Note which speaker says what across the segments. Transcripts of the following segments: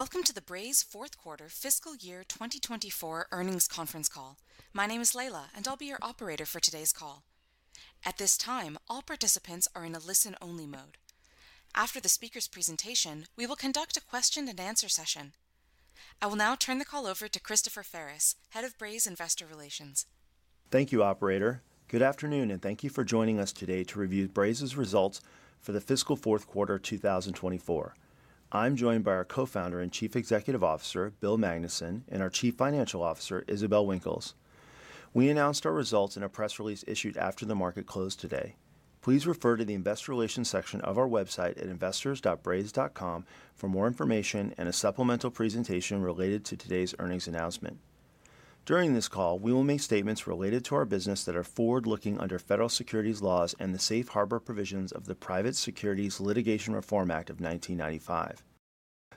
Speaker 1: Welcome to the Braze Fourth Quarter Fiscal Year 2024 Earnings Conference Call. My name is Layla, and I'll be your operator for today's call. At this time, all participants are in a listen-only mode. After the speaker's presentation, we will conduct a question and answer session. I will now turn the call over to Christopher Ferris, Head of Braze Investor Relations.
Speaker 2: Thank you, operator. Good afternoon, and thank you for joining us today to review Braze's results for the fiscal fourth quarter, 2024. I'm joined by our Co-founder and Chief Executive Officer, Bill Magnuson, and our Chief Financial Officer, Isabelle Winkles. We announced our results in a press release issued after the market closed today. Please refer to the investor relations section of our website at investors.braze.com for more information and a supplemental presentation related to today's earnings announcement. During this call, we will make statements related to our business that are forward-looking under federal securities laws and the safe harbor provisions of the Private Securities Litigation Reform Act of 1995.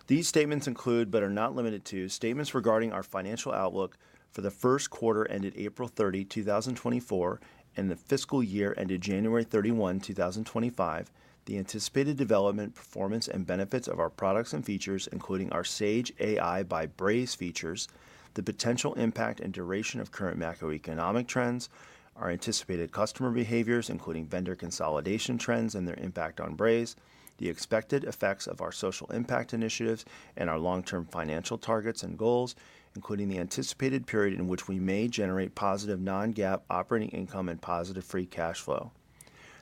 Speaker 2: These statements include, but are not limited to, statements regarding our financial outlook for the first quarter ended April 30, 2024, and the fiscal year ended January 31, 2025, the anticipated development, performance, and benefits of our products and features, including our Sage AI by Braze features, the potential impact and duration of current macroeconomic trends, our anticipated customer behaviors, including vendor consolidation trends and their impact on Braze, the expected effects of our social impact initiatives, and our long-term financial targets and goals, including the anticipated period in which we may generate positive non-GAAP operating income and positive free cash flow.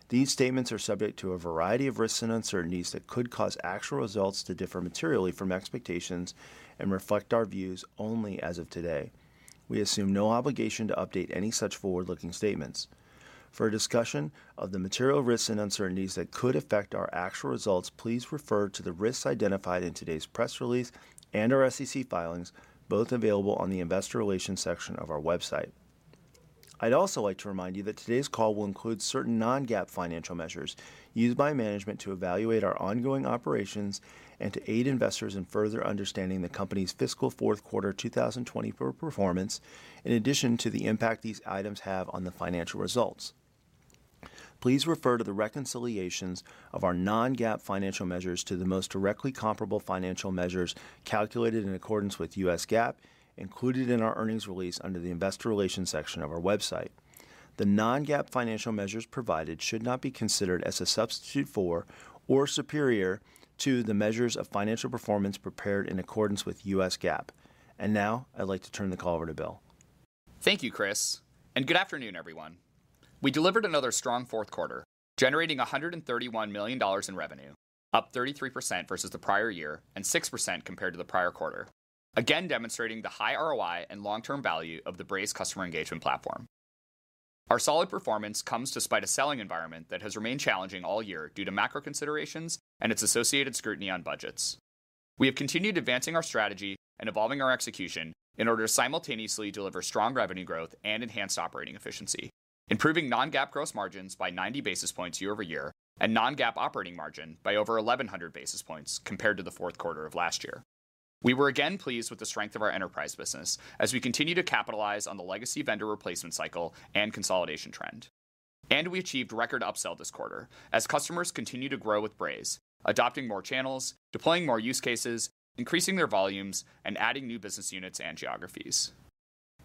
Speaker 2: These statements are subject to a variety of risks and uncertainties that could cause actual results to differ materially from expectations and reflect our views only as of today. We assume no obligation to update any such forward-looking statements. For a discussion of the material risks and uncertainties that could affect our actual results, please refer to the risks identified in today's press release and our SEC filings, both available on the Investor Relations section of our website. I'd also like to remind you that today's call will include certain non-GAAP financial measures used by management to evaluate our ongoing operations and to aid investors in further understanding the company's fiscal fourth quarter 2024 performance, in addition to the impact these items have on the financial results. Please refer to the reconciliations of our non-GAAP financial measures to the most directly comparable financial measures calculated in accordance with U.S. GAAP, included in our earnings release under the Investor Relations section of our website. The non-GAAP financial measures provided should not be considered as a substitute for or superior to the measures of financial performance prepared in accordance with U.S. GAAP. Now, I'd like to turn the call over to Bill.
Speaker 3: Thank you, Chris, and good afternoon, everyone. We delivered another strong fourth quarter, generating $131 million in revenue, up 33% versus the prior year and 6% compared to the prior quarter, again demonstrating the high ROI and long-term value of the Braze customer engagement platform. Our solid performance comes despite a selling environment that has remained challenging all year due to macro considerations and its associated scrutiny on budgets. We have continued advancing our strategy and evolving our execution in order to simultaneously deliver strong revenue growth and enhanced operating efficiency, improving non-GAAP gross margins by 90 basis points year-over-year and non-GAAP operating margin by over 1,100 basis points compared to the fourth quarter of last year. We were again pleased with the strength of our enterprise business as we continue to capitalize on the legacy vendor replacement cycle and consolidation trend. We achieved record upsell this quarter as customers continue to grow with Braze, adopting more channels, deploying more use cases, increasing their volumes, and adding new business units and geographies.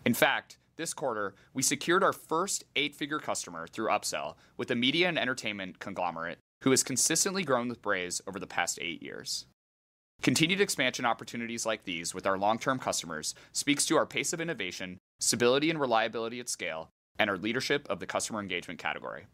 Speaker 3: In fact, this quarter, we secured our first eight-figure customer through upsell with a media and entertainment conglomerate who has consistently grown with Braze over the past 8 years. Continued expansion opportunities like these with our long-term customers speaks to our pace of innovation, stability and reliability at scale, and our leadership of the customer engagement category.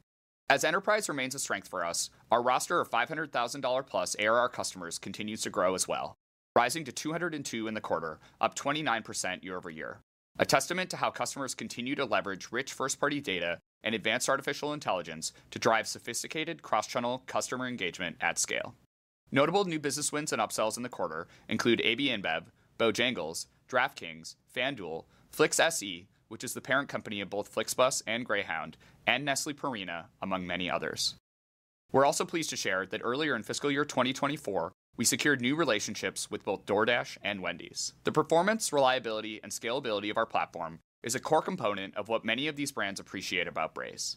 Speaker 3: As enterprise remains a strength for us, our roster of $500,000+ ARR customers continues to grow as well, rising to 202 in the quarter, up 29% year-over-year. A testament to how customers continue to leverage rich first-party data and advanced artificial intelligence to drive sophisticated cross-channel customer engagement at scale. Notable new business wins and upsells in the quarter include AB InBev, Bojangles, DraftKings, FanDuel, Flix SE, which is the parent company of both FlixBus and Greyhound, and Nestlé Purina, among many others. We're also pleased to share that earlier in fiscal year 2024, we secured new relationships with both DoorDash and Wendy's. The performance, reliability, and scalability of our platform is a core component of what many of these brands appreciate about Braze.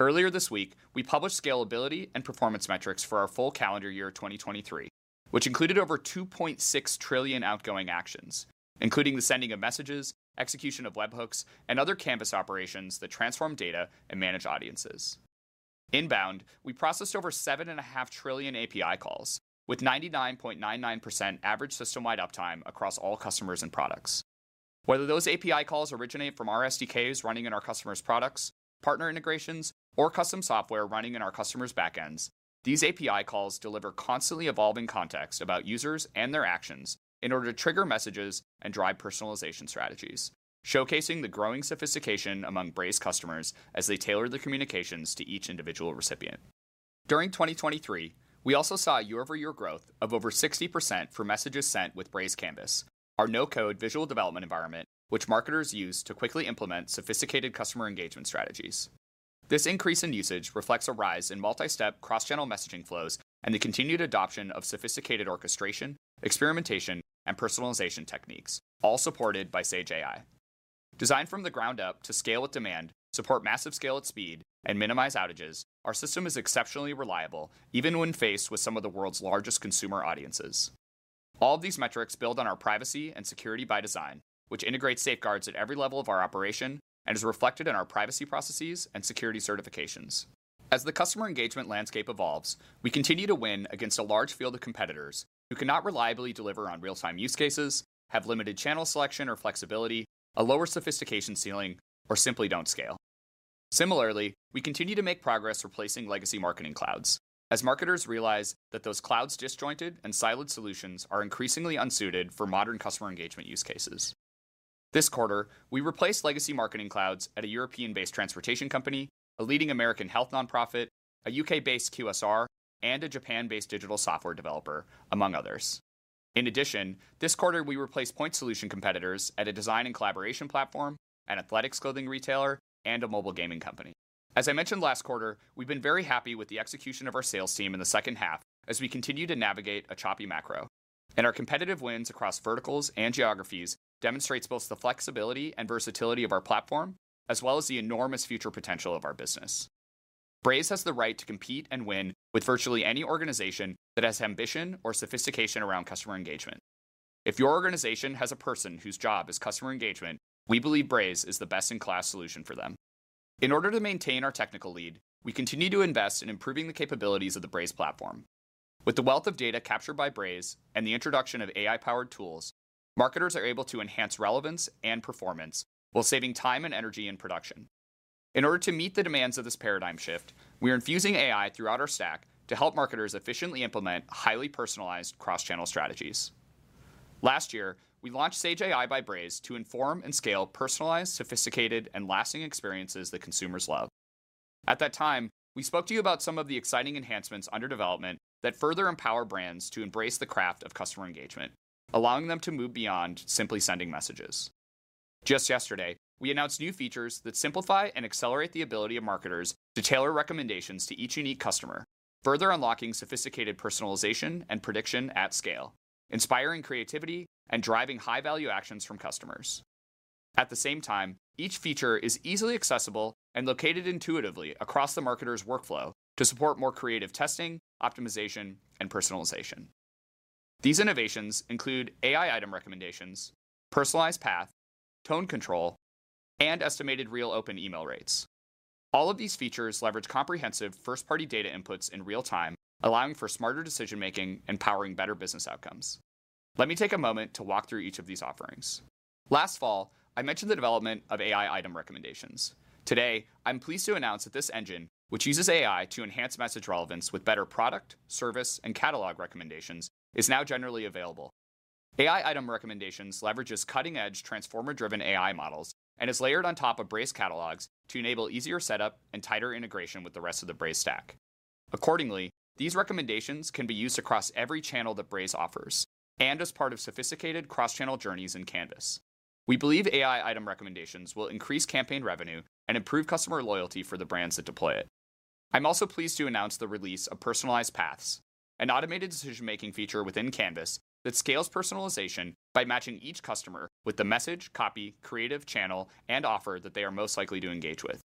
Speaker 3: Earlier this week, we published scalability and performance metrics for our full calendar year 2023, which included over 2.6 trillion outgoing actions, including the sending of messages, execution of webhooks, and other Canvas operations that transform data and manage audiences. Inbound, we processed over 7.5 trillion API calls, with 99.99% average system-wide uptime across all customers and products. Whether those API calls originate from our SDKs running in our customers' products, partner integrations, or custom software running in our customers' backends, these API calls deliver constantly evolving context about users and their actions in order to trigger messages and drive personalization strategies, showcasing the growing sophistication among Braze customers as they tailor their communications to each individual recipient. During 2023, we also saw a year-over-year growth of over 60% for messages sent with Braze Canvas, our no-code visual development environment, which marketers use to quickly implement sophisticated customer engagement strategies. This increase in usage reflects a rise in multi-step, cross-channel messaging flows and the continued adoption of sophisticated orchestration, experimentation, and personalization techniques, all supported by Sage AI. Designed from the ground up to scale at demand, support massive scale at speed, and minimize outages, our system is exceptionally reliable, even when faced with some of the world's largest consumer audiences. All these metrics build on our privacy and security by design, which integrates safeguards at every level of our operation and is reflected in our privacy processes and security certifications. As the customer engagement landscape evolves, we continue to win against a large field of competitors who cannot reliably deliver on real-time use cases, have limited channel selection or flexibility, a lower sophistication ceiling, or simply don't scale. Similarly, we continue to make progress replacing legacy Marketing Clouds, as marketers realize that those clouds' disjointed and siloed solutions are increasingly unsuited for modern customer engagement use cases. This quarter, we replaced legacy Marketing Clouds at a European-based transportation company, a leading American health nonprofit, a U.K.-based QSR, and a Japan-based digital software developer, among others. In addition, this quarter, we replaced point solution competitors at a design and collaboration platform, an athletics clothing retailer, and a mobile gaming company. As I mentioned last quarter, we've been very happy with the execution of our sales team in the second half as we continue to navigate a choppy macro, and our competitive wins across verticals and geographies demonstrates both the flexibility and versatility of our platform, as well as the enormous future potential of our business. Braze has the right to compete and win with virtually any organization that has ambition or sophistication around customer engagement. If your organization has a person whose job is customer engagement, we believe Braze is the best-in-class solution for them. In order to maintain our technical lead, we continue to invest in improving the capabilities of the Braze platform. With the wealth of data captured by Braze and the introduction of AI-powered tools, marketers are able to enhance relevance and performance while saving time and energy in production. In order to meet the demands of this paradigm shift, we are infusing AI throughout our stack to help marketers efficiently implement highly personalized cross-channel strategies. Last year, we launched Sage AI by Braze to inform and scale personalized, sophisticated, and lasting experiences that consumers love. At that time, we spoke to you about some of the exciting enhancements under development that further empower brands to embrace the craft of customer engagement, allowing them to move beyond simply sending messages. Just yesterday, we announced new features that simplify and accelerate the ability of marketers to tailor recommendations to each unique customer, further unlocking sophisticated personalization and prediction at scale, inspiring creativity and driving high-value actions from customers. At the same time, each feature is easily accessible and located intuitively across the marketer's workflow to support more creative testing, optimization, and personalization. These innovations include AI Item Recommendations, Personalized Path, Tone Control, and estimated real open email rates. All of these features leverage comprehensive first-party data inputs in real time, allowing for smarter decision-making and powering better business outcomes. Let me take a moment to walk through each of these offerings. Last fall, I mentioned the development of AI Item Recommendations. Today, I'm pleased to announce that this engine, which uses AI to enhance message relevance with better product, service, and catalog recommendations, is now generally available. AI Item Recommendations leverages cutting-edge transformer-driven AI models and is layered on top of Braze catalogs to enable easier setup and tighter integration with the rest of the Braze stack. Accordingly, these recommendations can be used across every channel that Braze offers and as part of sophisticated cross-channel journeys in Canvas. We believe AI Item Recommendations will increase campaign revenue and improve customer loyalty for the brands that deploy it. I'm also pleased to announce the release of Personalized Paths, an automated decision-making feature within Canvas that scales personalization by matching each customer with the message, copy, creative, channel, and offer that they are most likely to engage with.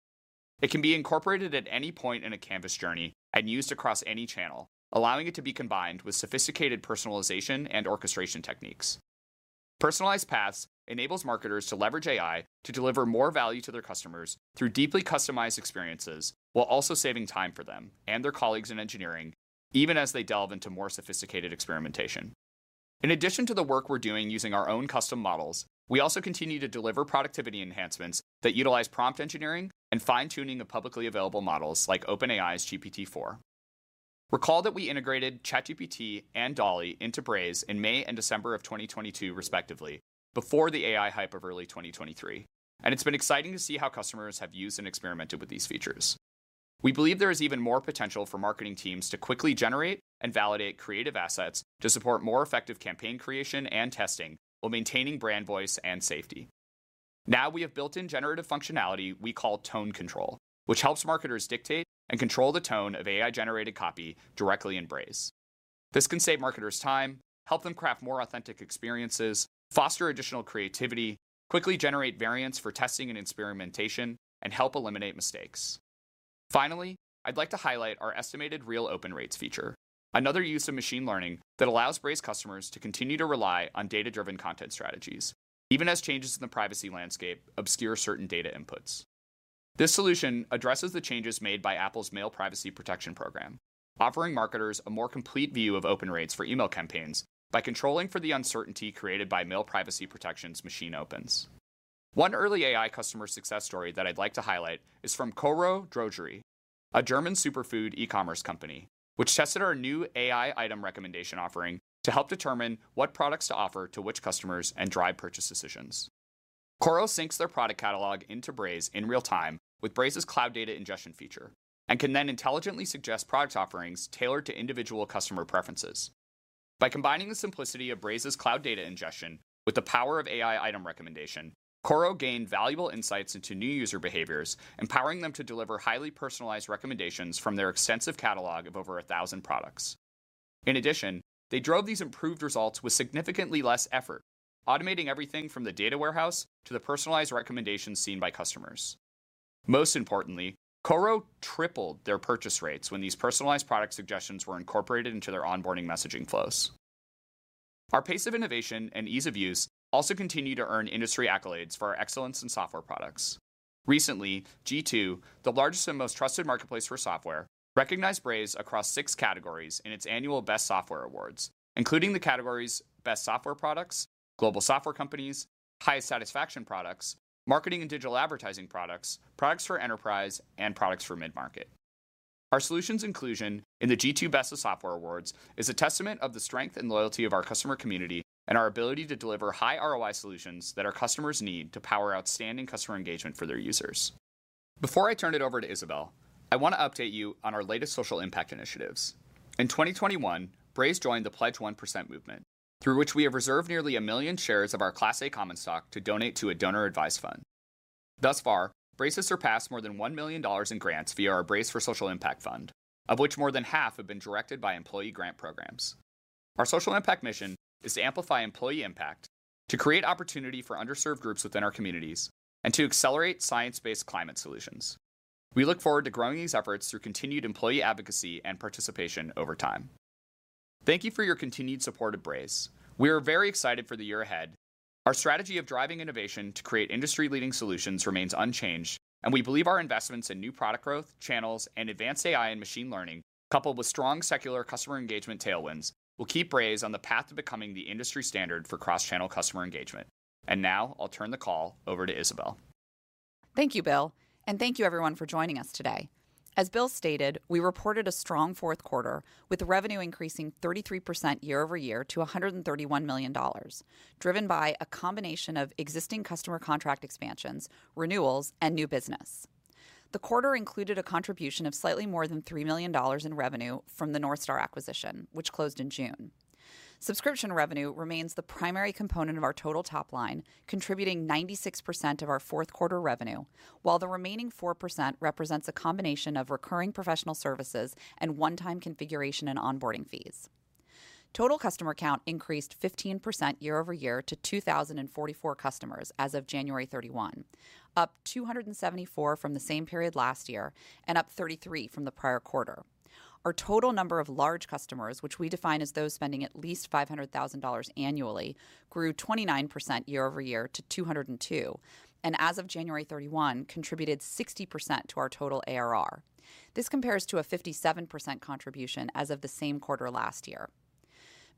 Speaker 3: It can be incorporated at any point in a Canvas journey and used across any channel, allowing it to be combined with sophisticated personalization and orchestration techniques. Personalized Paths enables marketers to leverage AI to deliver more value to their customers through deeply customized experiences, while also saving time for them and their colleagues in engineering, even as they delve into more sophisticated experimentation. In addition to the work we're doing using our own custom models, we also continue to deliver productivity enhancements that utilize prompt engineering and fine-tuning of publicly available models like OpenAI's GPT-4. Recall that we integrated ChatGPT and DALL-E into Braze in May and December of 2022, respectively, before the AI hype of early 2023, and it's been exciting to see how customers have used and experimented with these features. We believe there is even more potential for marketing teams to quickly generate and validate creative assets to support more effective campaign creation and testing while maintaining brand voice and safety. Now, we have built-in generative functionality we call Tone Control, which helps marketers dictate and control the tone of AI-generated copy directly in Braze. This can save marketers time, help them craft more authentic experiences, foster additional creativity, quickly generate variants for testing and experimentation, and help eliminate mistakes. Finally, I'd like to highlight our estimated real open rates feature, another use of machine learning that allows Braze customers to continue to rely on data-driven content strategies, even as changes in the privacy landscape obscure certain data inputs. This solution addresses the changes made by Apple's Mail Privacy Protection program, offering marketers a more complete view of open rates for email campaigns by controlling for the uncertainty created by Mail Privacy Protection's machine opens. One early AI customer success story that I'd like to highlight is from KoRo Drogerie, a German superfood e-commerce company, which tested our new AI Item Recommendation offering to help determine what products to offer to which customers and drive purchase decisions. KoRo syncs their product catalog into Braze in real time with Braze's Cloud Data Ingestion feature and can then intelligently suggest product offerings tailored to individual customer preferences. By combining the simplicity of Braze's Cloud Data Ingestion with the power of AI Item Recommendation, KoRo gained valuable insights into new user behaviors, empowering them to deliver highly personalized recommendations from their extensive catalog of over 1,000 products. In addition, they drove these improved results with significantly less effort, automating everything from the data warehouse to the personalized recommendations seen by customers. Most importantly, KoRo tripled their purchase rates when these personalized product suggestions were incorporated into their onboarding messaging flows. Our pace of innovation and ease of use also continue to earn industry accolades for our excellence in software products. Recently, G2, the largest and most trusted marketplace for software, recognized Braze across six categories in its annual Best Software Awards, including the categories Best Software Products, Global Software Companies, Highest Satisfaction Products, Marketing and Digital Advertising Products, Products for Enterprise, and Products for Mid-Market. Our solutions' inclusion in the G2 Best of Software Awards is a testament of the strength and loyalty of our customer community and our ability to deliver high ROI solutions that our customers need to power outstanding customer engagement for their users. Before I turn it over to Isabelle, I want to update you on our latest social impact initiatives. In 2021, Braze joined the Pledge 1% movement, through which we have reserved nearly 1 million shares of our Class A common stock to donate to a donor-advised fund. Thus far, Braze has surpassed more than $1 million in grants via our Braze for Social Impact Fund, of which more than half have been directed by employee grant programs. Our social impact mission is to amplify employee impact, to create opportunity for underserved groups within our communities, and to accelerate science-based climate solutions. We look forward to growing these efforts through continued employee advocacy and participation over time. Thank you for your continued support of Braze. We are very excited for the year ahead. Our strategy of driving innovation to create industry-leading solutions remains unchanged, and we believe our investments in new product growth, channels, and advanced AI and machine learning, coupled with strong secular customer engagement tailwinds, will keep Braze on the path to becoming the industry standard for cross-channel customer engagement. Now I'll turn the call over to Isabelle.
Speaker 4: Thank you, Bill, and thank you everyone for joining us today. As Bill stated, we reported a strong fourth quarter, with revenue increasing 33% year-over-year to $131 million, driven by a combination of existing customer contract expansions, renewals, and new business. The quarter included a contribution of slightly more than $3 million in revenue from the North Star acquisition, which closed in June. Subscription revenue remains the primary component of our total top line, contributing 96% of our fourth quarter revenue, while the remaining 4% represents a combination of recurring professional services and one-time configuration and onboarding fees. Total customer count increased 15% year-over-year to 2,044 customers as of January 31, up 274 from the same period last year and up 33 from the prior quarter. Our total number of large customers, which we define as those spending at least $500,000 annually, grew 29% year-over-year to 202, and as of January 31, contributed 60% to our total ARR. This compares to a 57% contribution as of the same quarter last year.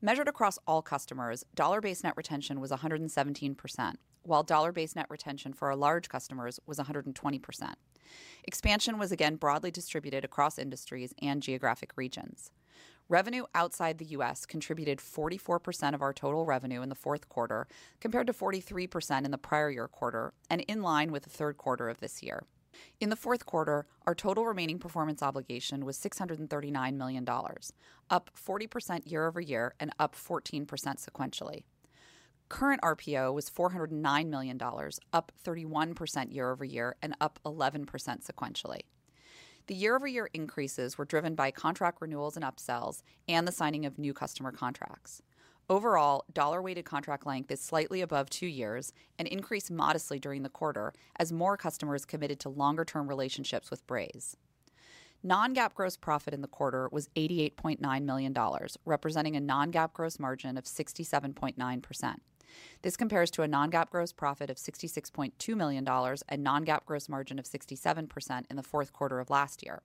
Speaker 4: Measured across all customers, dollar-based net retention was 117%, while dollar-based net retention for our large customers was 120%. Expansion was again broadly distributed across industries and geographic regions. Revenue outside the U.S. contributed 44% of our total revenue in the fourth quarter, compared to 43% in the prior year quarter and in line with the third quarter of this year. In the fourth quarter, our total remaining performance obligation was $639 million, up 40% year-over-year and up 14% sequentially. Current RPO was $409 million, up 31% year-over-year and up 11% sequentially. The year-over-year increases were driven by contract renewals and upsells and the signing of new customer contracts. Overall, dollar-weighted contract length is slightly above two years and increased modestly during the quarter as more customers committed to longer-term relationships with Braze. Non-GAAP gross profit in the quarter was $88.9 million, representing a non-GAAP gross margin of 67.9%. This compares to a non-GAAP gross profit of $66.2 million and non-GAAP gross margin of 67% in the fourth quarter of last year.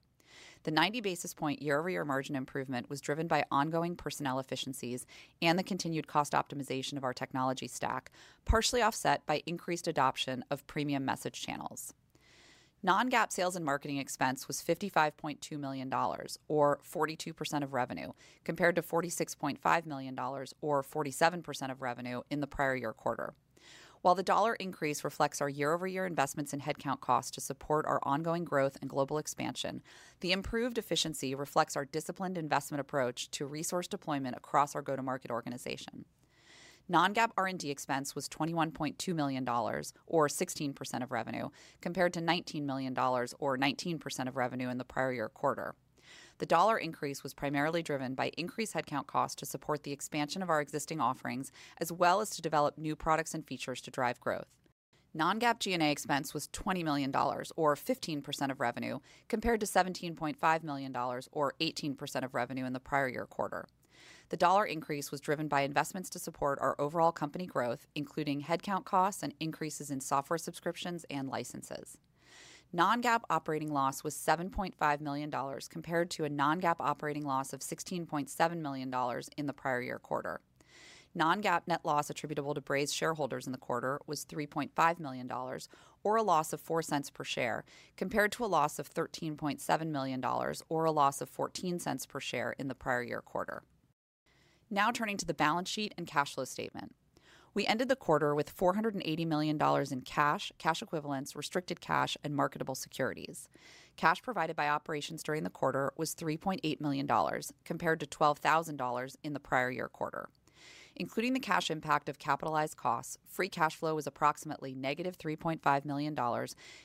Speaker 4: The 90 basis point year-over-year margin improvement was driven by ongoing personnel efficiencies and the continued cost optimization of our technology stack, partially offset by increased adoption of premium message channels. Non-GAAP sales and marketing expense was $55.2 million, or 42% of revenue, compared to $46.5 million, or 47% of revenue in the prior year quarter. While the dollar increase reflects our year-over-year investments in headcount costs to support our ongoing growth and global expansion, the improved efficiency reflects our disciplined investment approach to resource deployment across our go-to-market organization. Non-GAAP R&D expense was $21.2 million, or 16% of revenue, compared to $19 million or 19% of revenue in the prior year quarter. The dollar increase was primarily driven by increased headcount costs to support the expansion of our existing offerings, as well as to develop new products and features to drive growth. Non-GAAP G&A expense was $20 million, or 15% of revenue, compared to $17.5 million, or 18% of revenue in the prior year quarter. The dollar increase was driven by investments to support our overall company growth, including headcount costs and increases in software subscriptions and licenses. Non-GAAP operating loss was $7.5 million, compared to a non-GAAP operating loss of $16.7 million in the prior year quarter. Non-GAAP net loss attributable to Braze shareholders in the quarter was $3.5 million, or a loss of $0.04 per share, compared to a loss of $13.7 million, or a loss of $0.14 per share in the prior year quarter. Now turning to the balance sheet and cash flow statement. We ended the quarter with $480 million in cash, cash equivalents, restricted cash, and marketable securities. Cash provided by operations during the quarter was $3.8 million, compared to $12,000 in the prior year quarter. Including the cash impact of capitalized costs, free cash flow was approximately -$3.5 million,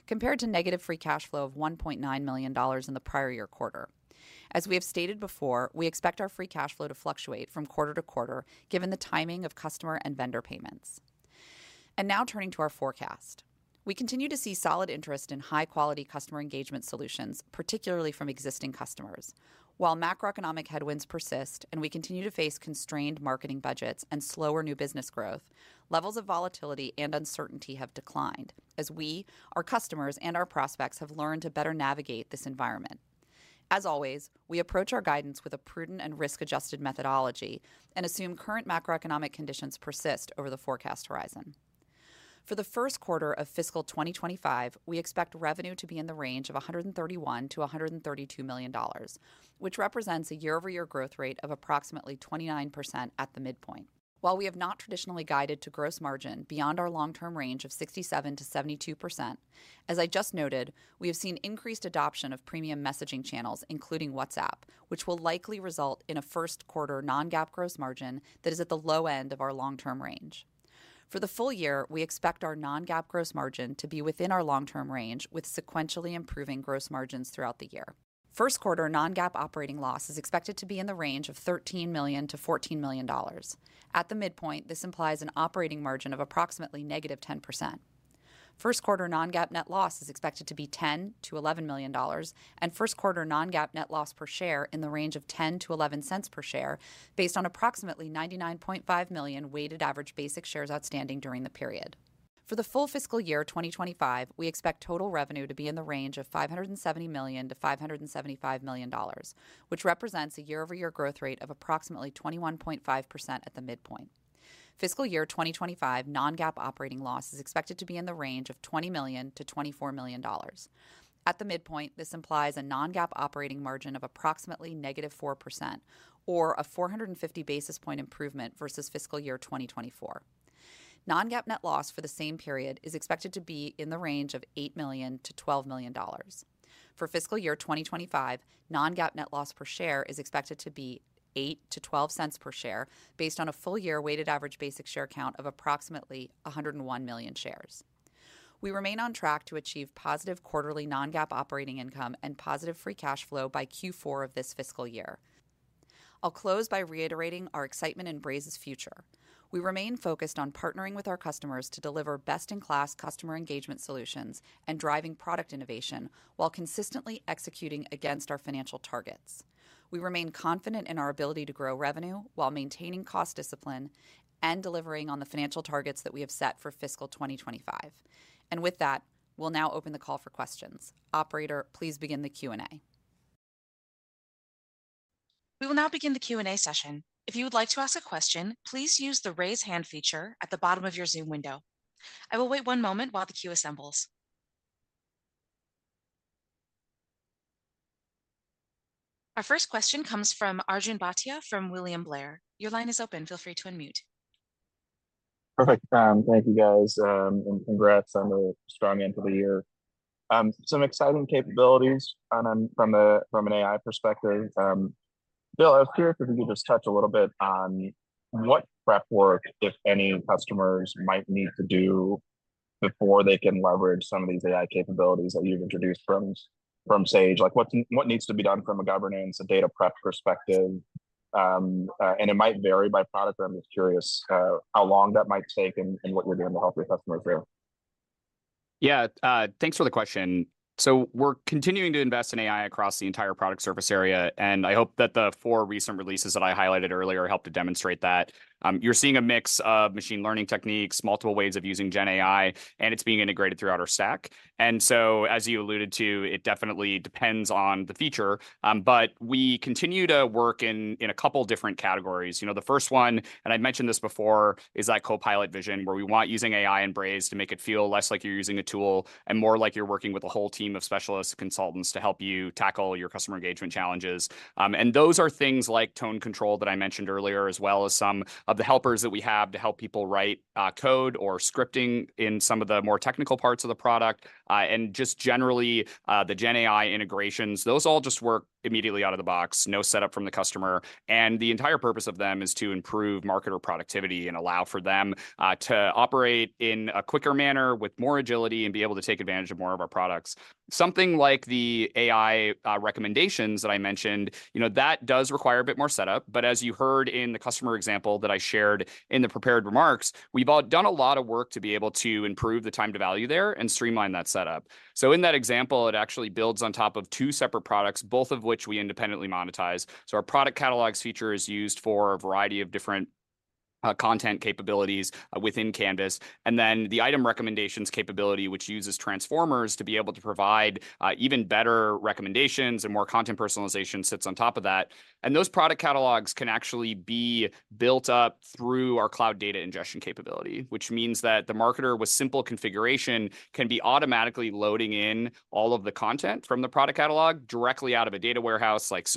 Speaker 4: compared to negative free cash flow of $1.9 million in the prior year quarter.... As we have stated before, we expect our free cash flow to fluctuate from quarter to quarter, given the timing of customer and vendor payments. Now turning to our forecast. We continue to see solid interest in high-quality customer engagement solutions, particularly from existing customers. While macroeconomic headwinds persist and we continue to face constrained marketing budgets and slower new business growth, levels of volatility and uncertainty have declined, as we, our customers, and our prospects have learned to better navigate this environment. As always, we approach our guidance with a prudent and risk-adjusted methodology and assume current macroeconomic conditions persist over the forecast horizon. For the first quarter of fiscal 2025, we expect revenue to be in the range of $131 million-$132 million, which represents a year-over-year growth rate of approximately 29% at the midpoint. While we have not traditionally guided to gross margin beyond our long-term range of 67%-72%, as I just noted, we have seen increased adoption of premium messaging channels, including WhatsApp, which will likely result in a first-quarter non-GAAP gross margin that is at the low end of our long-term range. For the full year, we expect our non-GAAP gross margin to be within our long-term range, with sequentially improving gross margins throughout the year. First quarter non-GAAP operating loss is expected to be in the range of $13 million-$14 million. At the midpoint, this implies an operating margin of approximately -10%. First quarter non-GAAP net loss is expected to be $10 million-$11 million, and first quarter non-GAAP net loss per share in the range of $0.10-$0.11 per share, based on approximately 99.5 million weighted average basic shares outstanding during the period. For the full fiscal year 2025, we expect total revenue to be in the range of $570 million-$575 million, which represents a year-over-year growth rate of approximately 21.5% at the midpoint. Fiscal year 2025 non-GAAP operating loss is expected to be in the range of $20 million-$24 million. At the midpoint, this implies a non-GAAP operating margin of approximately -4% or a 450 basis point improvement versus fiscal year 2024. Non-GAAP net loss for the same period is expected to be in the range of $8 million-$12 million. For fiscal year 2025, non-GAAP net loss per share is expected to be $0.8-$0.12 per share, based on a full-year weighted average basic share count of approximately 101 million shares. We remain on track to achieve positive quarterly non-GAAP operating income and positive free cash flow by Q4 of this fiscal year. I'll close by reiterating our excitement in Braze's future. We remain focused on partnering with our customers to deliver best-in-class customer engagement solutions and driving product innovation, while consistently executing against our financial targets. We remain confident in our ability to grow revenue while maintaining cost discipline and delivering on the financial targets that we have set for fiscal 2025. And with that, we'll now open the call for questions. Operator, please begin the Q&A.
Speaker 1: We will now begin the Q&A session. If you would like to ask a question, please use the Raise Hand feature at the bottom of your Zoom window. I will wait one moment while the queue assembles. Our first question comes from Arjun Bhatia from William Blair. Your line is open. Feel free to unmute.
Speaker 5: Perfect. Thank you, guys, and congrats on the strong end of the year. Some exciting capabilities, and from an AI perspective. Bill, I was curious if you could just touch a little bit on what prep work, if any, customers might need to do before they can leverage some of these AI capabilities that you've introduced from Sage? Like what needs to be done from a governance and data prep perspective? And it might vary by product, but I'm just curious how long that might take and what you're doing to help your customers there.
Speaker 3: Yeah. Thanks for the question. So we're continuing to invest in AI across the entire product service area, and I hope that the four recent releases that I highlighted earlier helped to demonstrate that. You're seeing a mix of machine learning techniques, multiple ways of using Gen AI, and it's being integrated throughout our stack. And so, as you alluded to, it definitely depends on the feature. But we continue to work in a couple different categories. You know, the first one, and I'd mentioned this before, is that copilot vision, where we want using AI and Braze to make it feel less like you're using a tool and more like you're working with a whole team of specialist consultants to help you tackle your customer engagement challenges. And those are things like Tone Control that I mentioned earlier, as well as some of the helpers that we have to help people write code or scripting in some of the more technical parts of the product. And just generally, the Gen AI integrations, those all just work immediately out of the box, no setup from the customer. And the entire purpose of them is to improve marketer productivity and allow for them to operate in a quicker manner with more agility and be able to take advantage of more of our products. Something like the AI recommendations that I mentioned, you know, that does require a bit more setup, but as you heard in the customer example that I shared in the prepared remarks, we've all done a lot of work to be able to improve the time to value there and streamline that setup. So in that example, it actually builds on top of two separate products, both of which we independently monetize. So our product catalogs feature is used for a variety of different content capabilities within Canvas, and then the item recommendations capability, which uses transformers to be able to provide even better recommendations and more content personalization, sits on top of that. Those product catalogs can actually be built up through our Cloud Data Ingestion capability, which means that the marketer, with simple configuration, can be automatically loading in all of the content from the product catalog directly out of a data warehouse like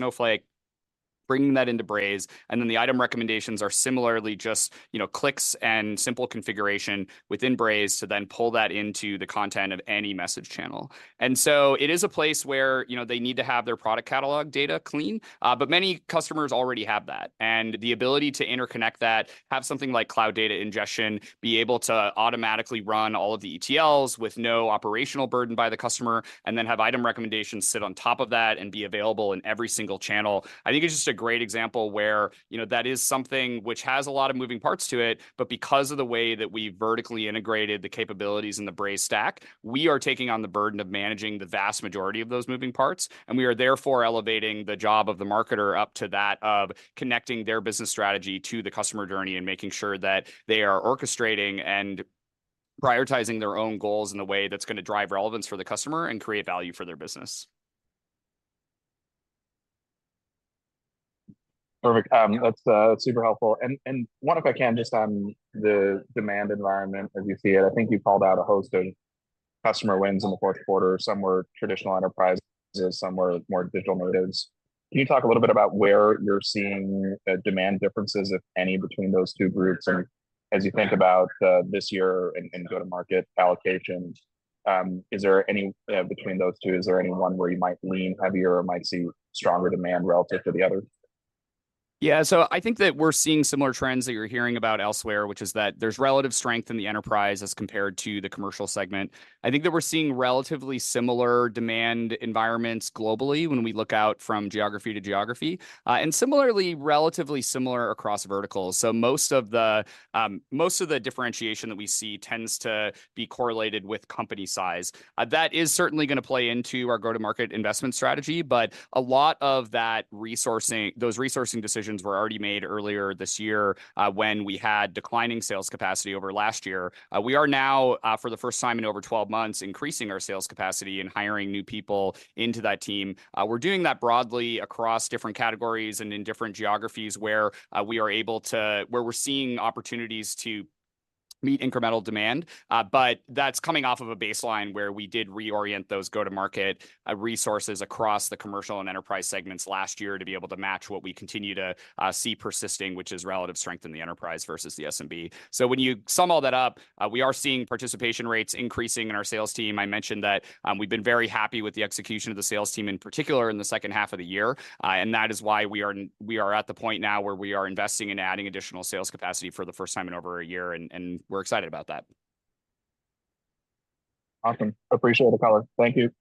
Speaker 3: Snowflake, bringing that into Braze, and then the item recommendations are similarly just, you know, clicks and simple configuration within Braze to then pull that into the content of any message channel. So it is a place where, you know, they need to have their product catalog data clean, but many customers already have that. The ability to interconnect that, have something like Cloud Data Ingestion, be able to automatically run all of the ETLs with no operational burden by the customer, and then have item recommendations sit on top of that and be available in every single channel, I think is just a great example where, you know, that is something which has a lot of moving parts to it, but because of the way that we vertically integrated the capabilities in the Braze stack, we are taking on the burden of managing the vast majority of those moving parts, and we are therefore elevating the job of the marketer up to that of connecting their business strategy to the customer journey and making sure that they are orchestrating and prioritizing their own goals in a way that's gonna drive relevance for the customer and create value for their business.
Speaker 5: Perfect. That's super helpful. And one, if I can, just on the demand environment as you see it, I think you called out a host of customer wins in the fourth quarter. Some were traditional enterprise, some were more digital natives. Can you talk a little bit about where you're seeing demand differences, if any, between those two groups? And as you think about this year and go-to-market allocations, is there any between those two, is there anyone where you might lean heavier or might see stronger demand relative to the other?
Speaker 3: Yeah, so I think that we're seeing similar trends that you're hearing about elsewhere, which is that there's relative strength in the enterprise as compared to the commercial segment. I think that we're seeing relatively similar demand environments globally when we look out from geography to geography, and similarly, relatively similar across verticals. So most of the differentiation that we see tends to be correlated with company size. That is certainly gonna play into our go-to-market investment strategy, but a lot of that resourcing, those resourcing decisions were already made earlier this year, when we had declining sales capacity over last year. We are now, for the first time in over 12 months, increasing our sales capacity and hiring new people into that team. We're doing that broadly across different categories and in different geographies where, we are able to... where we're seeing opportunities to meet incremental demand. But that's coming off of a baseline where we did reorient those go-to-market, resources across the commercial and enterprise segments last year to be able to match what we continue to, see persisting, which is relative strength in the enterprise versus the SMB. So when you sum all that up, we are seeing participation rates increasing in our sales team. I mentioned that we've been very happy with the execution of the sales team, in particular, in the second half of the year, and that is why we are at the point now where we are investing in adding additional sales capacity for the first time in over a year, and we're excited about that.
Speaker 5: Awesome. Appreciate the color. Thank you.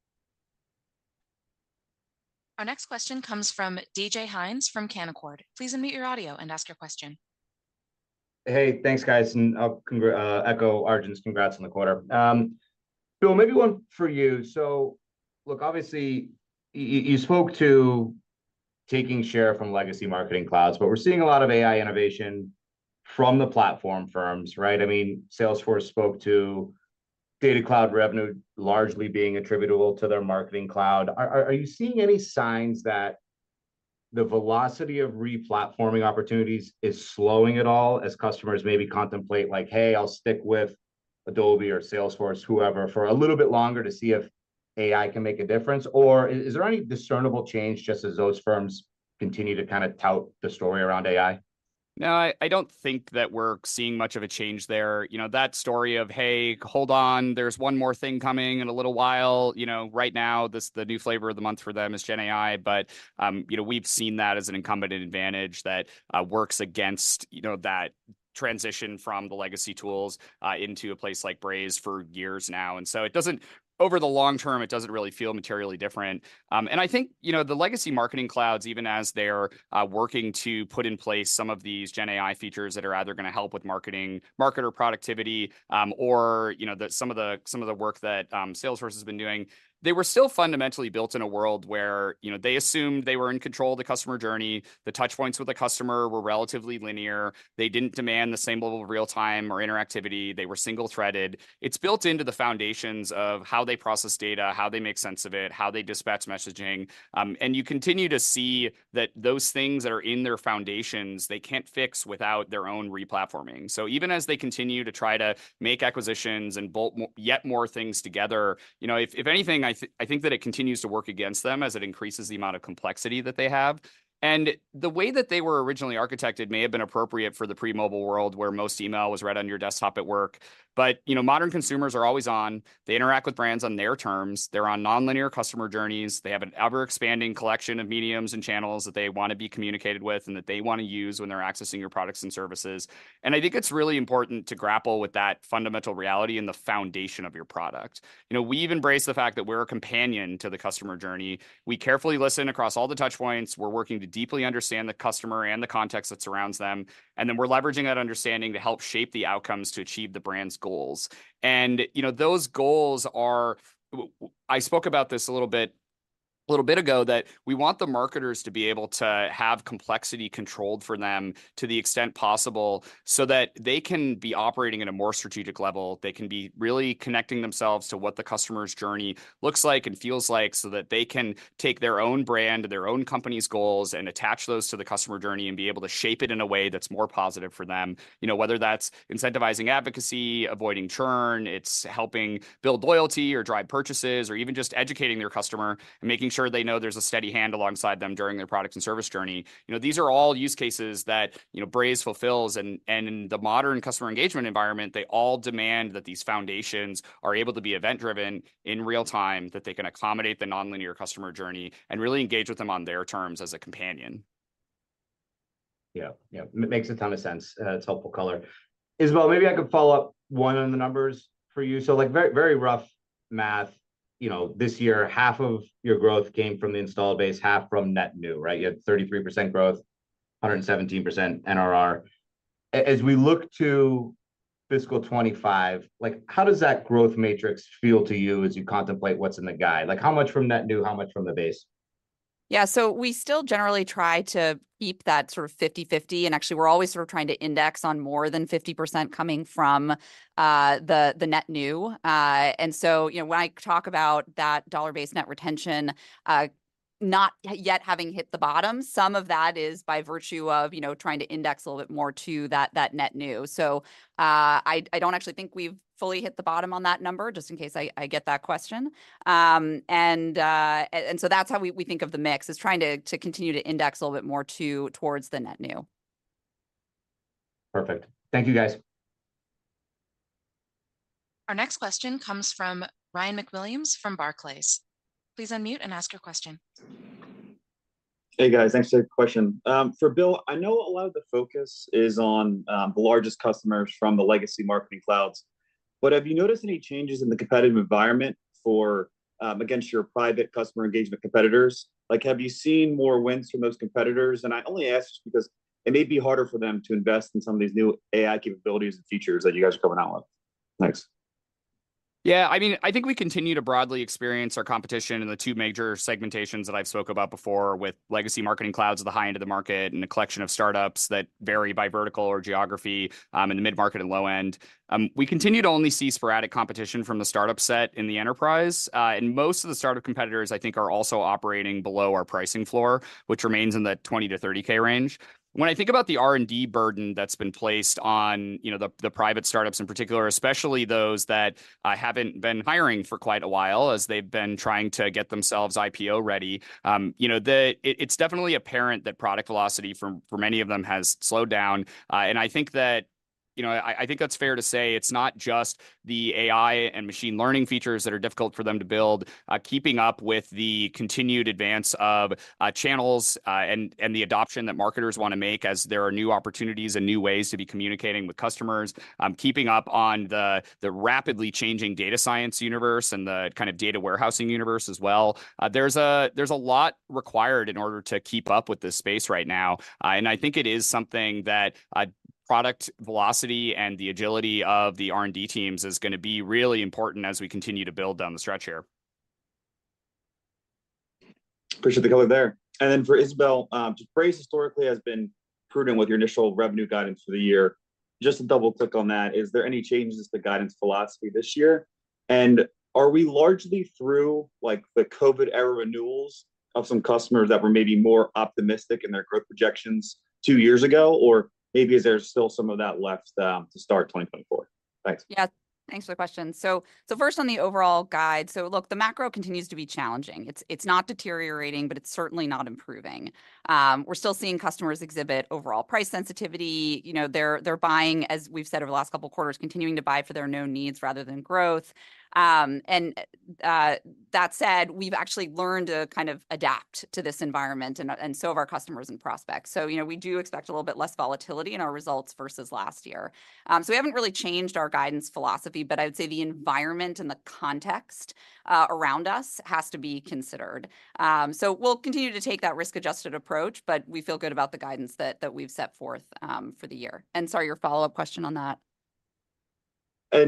Speaker 1: Our next question comes from DJ Hynes from Canaccord. Please unmute your audio and ask your question.
Speaker 6: Hey, thanks, guys, and I'll echo Arjun's. Congrats on the quarter. Bill, maybe one for you. So look, obviously, you spoke to taking share from legacy Marketing Clouds, but we're seeing a lot of AI innovation from the platform firms, right? I mean, Salesforce spoke to Data Cloud revenue largely being attributable to their Marketing Cloud. Are you seeing any signs that the velocity of re-platforming opportunities is slowing at all as customers maybe contemplate, like, "Hey, I'll stick with Adobe or Salesforce, whoever, for a little bit longer to see if AI can make a difference?" Or is there any discernible change just as those firms continue to kind of tout the story around AI?
Speaker 3: No, I don't think that we're seeing much of a change there. You know, that story of, "Hey, hold on, there's one more thing coming in a little while," you know, right now, this, the new flavor of the month for them is Gen AI, but, you know, we've seen that as an incumbent advantage that works against, you know, that transition from the legacy tools into a place like Braze for years now. And so it doesn't... Over the long term, it doesn't really feel materially different. I think, you know, the legacy Marketing Clouds, even as they're working to put in place some of these Gen AI features that are either gonna help with marketing, marketer productivity, or, you know, some of the work that Salesforce has been doing, they were still fundamentally built in a world where, you know, they assumed they were in control of the customer journey, the touchpoints with the customer were relatively linear, they didn't demand the same level of real time or interactivity, they were single-threaded. It's built into the foundations of how they process data, how they make sense of it, how they dispatch messaging, and you continue to see that those things that are in their foundations, they can't fix without their own re-platforming. So even as they continue to try to make acquisitions and bolt on yet more things together, you know, if anything, I think that it continues to work against them as it increases the amount of complexity that they have. And the way that they were originally architected may have been appropriate for the pre-mobile world, where most email was read on your desktop at work, but, you know, modern consumers are always on, they interact with brands on their terms, they're on nonlinear customer journeys, they have an ever-expanding collection of mediums and channels that they want to be communicated with and that they want to use when they're accessing your products and services. And I think it's really important to grapple with that fundamental reality and the foundation of your product. You know, we've embraced the fact that we're a companion to the customer journey. We carefully listen across all the touchpoints, we're working to deeply understand the customer and the context that surrounds them, and then we're leveraging that understanding to help shape the outcomes to achieve the brand's goals. And, you know, those goals are... I spoke about this a little bit, a little bit ago, that we want the marketers to be able to have complexity controlled for them to the extent possible, so that they can be operating at a more strategic level, they can be really connecting themselves to what the customer's journey looks like and feels like, so that they can take their own brand and their own company's goals and attach those to the customer journey and be able to shape it in a way that's more positive for them. You know, whether that's incentivizing advocacy, avoiding churn, it's helping build loyalty or drive purchases, or even just educating their customer and making sure they know there's a steady hand alongside them during their product and service journey. You know, these are all use cases that, you know, Braze fulfills, and, and in the modern customer engagement environment, they all demand that these foundations are able to be event-driven in real time, that they can accommodate the nonlinear customer journey, and really engage with them on their terms as a companion.
Speaker 6: Yeah, yeah, makes a ton of sense. It's helpful color. Isabelle, maybe I could follow up one on the numbers for you. So, like, very, very rough math, you know, this year, half of your growth came from the install base, half from net new, right? You had 33% growth, 117% NRR. As we look to fiscal 2025, like, how does that growth matrix feel to you as you contemplate what's in the guide? Like, how much from net new, how much from the base?
Speaker 4: Yeah, so we still generally try to keep that sort of 50/50, and actually, we're always sort of trying to index on more than 50% coming from the net new. And so, you know, when I talk about that dollar-based net retention not yet having hit the bottom, some of that is by virtue of, you know, trying to index a little bit more to that net new. So, I don't actually think we've fully hit the bottom on that number, just in case I get that question. And so that's how we think of the mix, is trying to continue to index a little bit more to towards the net new.
Speaker 6: Perfect. Thank you, guys.
Speaker 1: Our next question comes from Ryan McWilliams from Barclays. Please unmute and ask your question.
Speaker 7: Hey, guys. Thanks for the question. For Bill, I know a lot of the focus is on the largest customers from the legacy Marketing Clouds. But have you noticed any changes in the competitive environment for against your private customer engagement competitors? Like, have you seen more wins from those competitors? And I only ask because it may be harder for them to invest in some of these new AI capabilities and features that you guys are coming out with. Thanks.
Speaker 3: Yeah, I mean, I think we continue to broadly experience our competition in the two major segmentations that I've spoke about before with legacy Marketing Clouds at the high end of the market, and a collection of startups that vary by vertical or geography in the mid-market and low end. We continue to only see sporadic competition from the startup set in the enterprise. And most of the startup competitors, I think, are also operating below our pricing floor, which remains in the $20,000-$30,000 range. When I think about the R&D burden that's been placed on, you know, the private startups in particular, especially those that haven't been hiring for quite a while as they've been trying to get themselves IPO-ready, you know, it's definitely apparent that product velocity for many of them has slowed down. And I think that, you know, I think that's fair to say it's not just the AI and machine learning features that are difficult for them to build, keeping up with the continued advance of channels and the adoption that marketers wanna make as there are new opportunities and new ways to be communicating with customers, keeping up on the rapidly changing data science universe and the kind of data warehousing universe as well. There's a lot required in order to keep up with this space right now. And I think it is something that product velocity and the agility of the R&D teams is gonna be really important as we continue to build down the stretch here.
Speaker 7: Appreciate the color there. And then for Isabelle, just Braze historically has been prudent with your initial revenue guidance for the year. Just to double-click on that, is there any changes to the guidance philosophy this year? And are we largely through, like, the COVID era renewals of some customers that were maybe more optimistic in their growth projections two years ago, or maybe is there still some of that left, to start 2024? Thanks.
Speaker 4: Yeah, thanks for the question. So first, on the overall guide, so look, the macro continues to be challenging. It's not deteriorating, but it's certainly not improving. We're still seeing customers exhibit overall price sensitivity. You know, they're buying, as we've said over the last couple of quarters, continuing to buy for their known needs rather than growth. And that said, we've actually learned to kind of adapt to this environment and so have our customers and prospects. So, you know, we do expect a little bit less volatility in our results versus last year. So we haven't really changed our guidance philosophy, but I would say the environment and the context around us has to be considered. So we'll continue to take that risk-adjusted approach, but we feel good about the guidance that we've set forth for the year. And sorry, your follow-up question on that?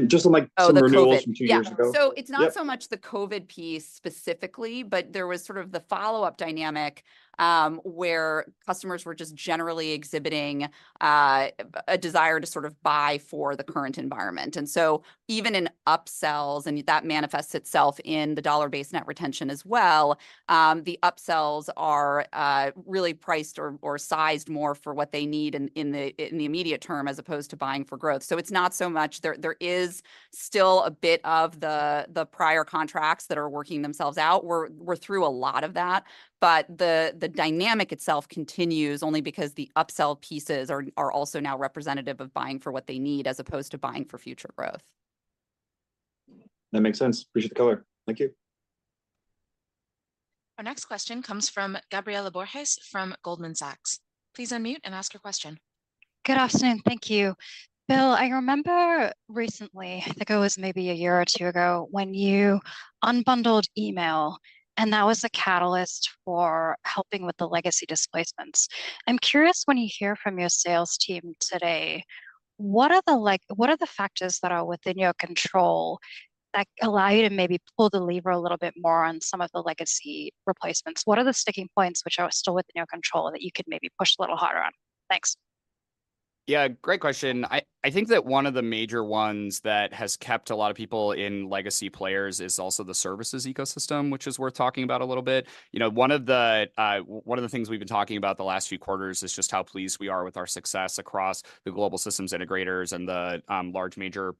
Speaker 7: Just on, like-
Speaker 4: Oh, the COVID....
Speaker 7: some renewals from two years ago.
Speaker 4: Yeah. So it's not-
Speaker 7: Yeah...
Speaker 4: so much the COVID piece specifically, but there was sort of the follow-up dynamic, where customers were just generally exhibiting a desire to sort of buy for the current environment. And so even in upsells, and that manifests itself in the dollar-based net retention as well, the upsells are really priced or sized more for what they need in the immediate term, as opposed to buying for growth. So it's not so much there. There is still a bit of the prior contracts that are working themselves out. We're through a lot of that, but the dynamic itself continues only because the upsell pieces are also now representative of buying for what they need, as opposed to buying for future growth.
Speaker 7: That makes sense. Appreciate the color. Thank you.
Speaker 1: Our next question comes from Gabriela Borges from Goldman Sachs. Please unmute and ask your question.
Speaker 8: Good afternoon. Thank you. Bill, I remember recently, I think it was maybe a year or two ago, when you unbundled email, and that was the catalyst for helping with the legacy displacements. I'm curious, when you hear from your sales team today, what are the, like, what are the factors that are within your control that allow you to maybe pull the lever a little bit more on some of the legacy replacements? What are the sticking points which are still within your control that you could maybe push a little harder on? Thanks.
Speaker 3: Yeah, great question. I think that one of the major ones that has kept a lot of people in legacy players is also the services ecosystem, which is worth talking about a little bit. You know, one of the things we've been talking about the last few quarters is just how pleased we are with our success across the global systems integrators and the large major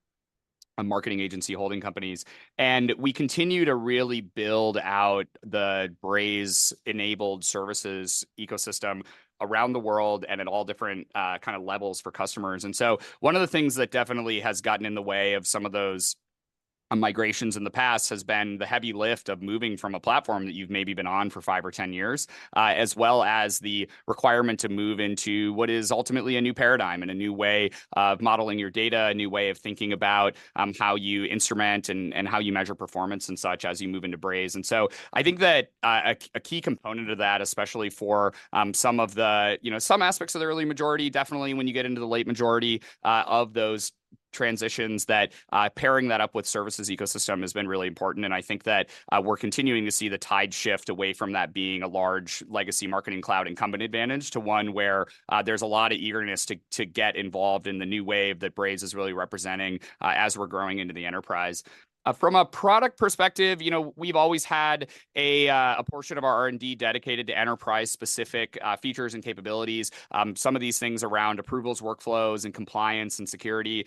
Speaker 3: marketing agency holding companies. And we continue to really build out the Braze-enabled services ecosystem around the world and at all different kind of levels for customers. And so one of the things that definitely has gotten in the way of some of those migrations in the past has been the heavy lift of moving from a platform that you've maybe been on for 5 or 10 years. As well as the requirement to move into what is ultimately a new paradigm and a new way of modeling your data, a new way of thinking about how you instrument and how you measure performance and such as you move into Braze. And so I think that a key component of that, especially for some of the, you know, some aspects of the early majority, definitely when you get into the late majority of those transitions, that pairing that up with services ecosystem has been really important. I think that we're continuing to see the tide shift away from that being a large legacy marketing cloud incumbent advantage to one where there's a lot of eagerness to get involved in the new wave that Braze is really representing as we're growing into the enterprise. From a product perspective, you know, we've always had a portion of our R&D dedicated to enterprise-specific features and capabilities. Some of these things around approvals, workflows, and compliance, and security,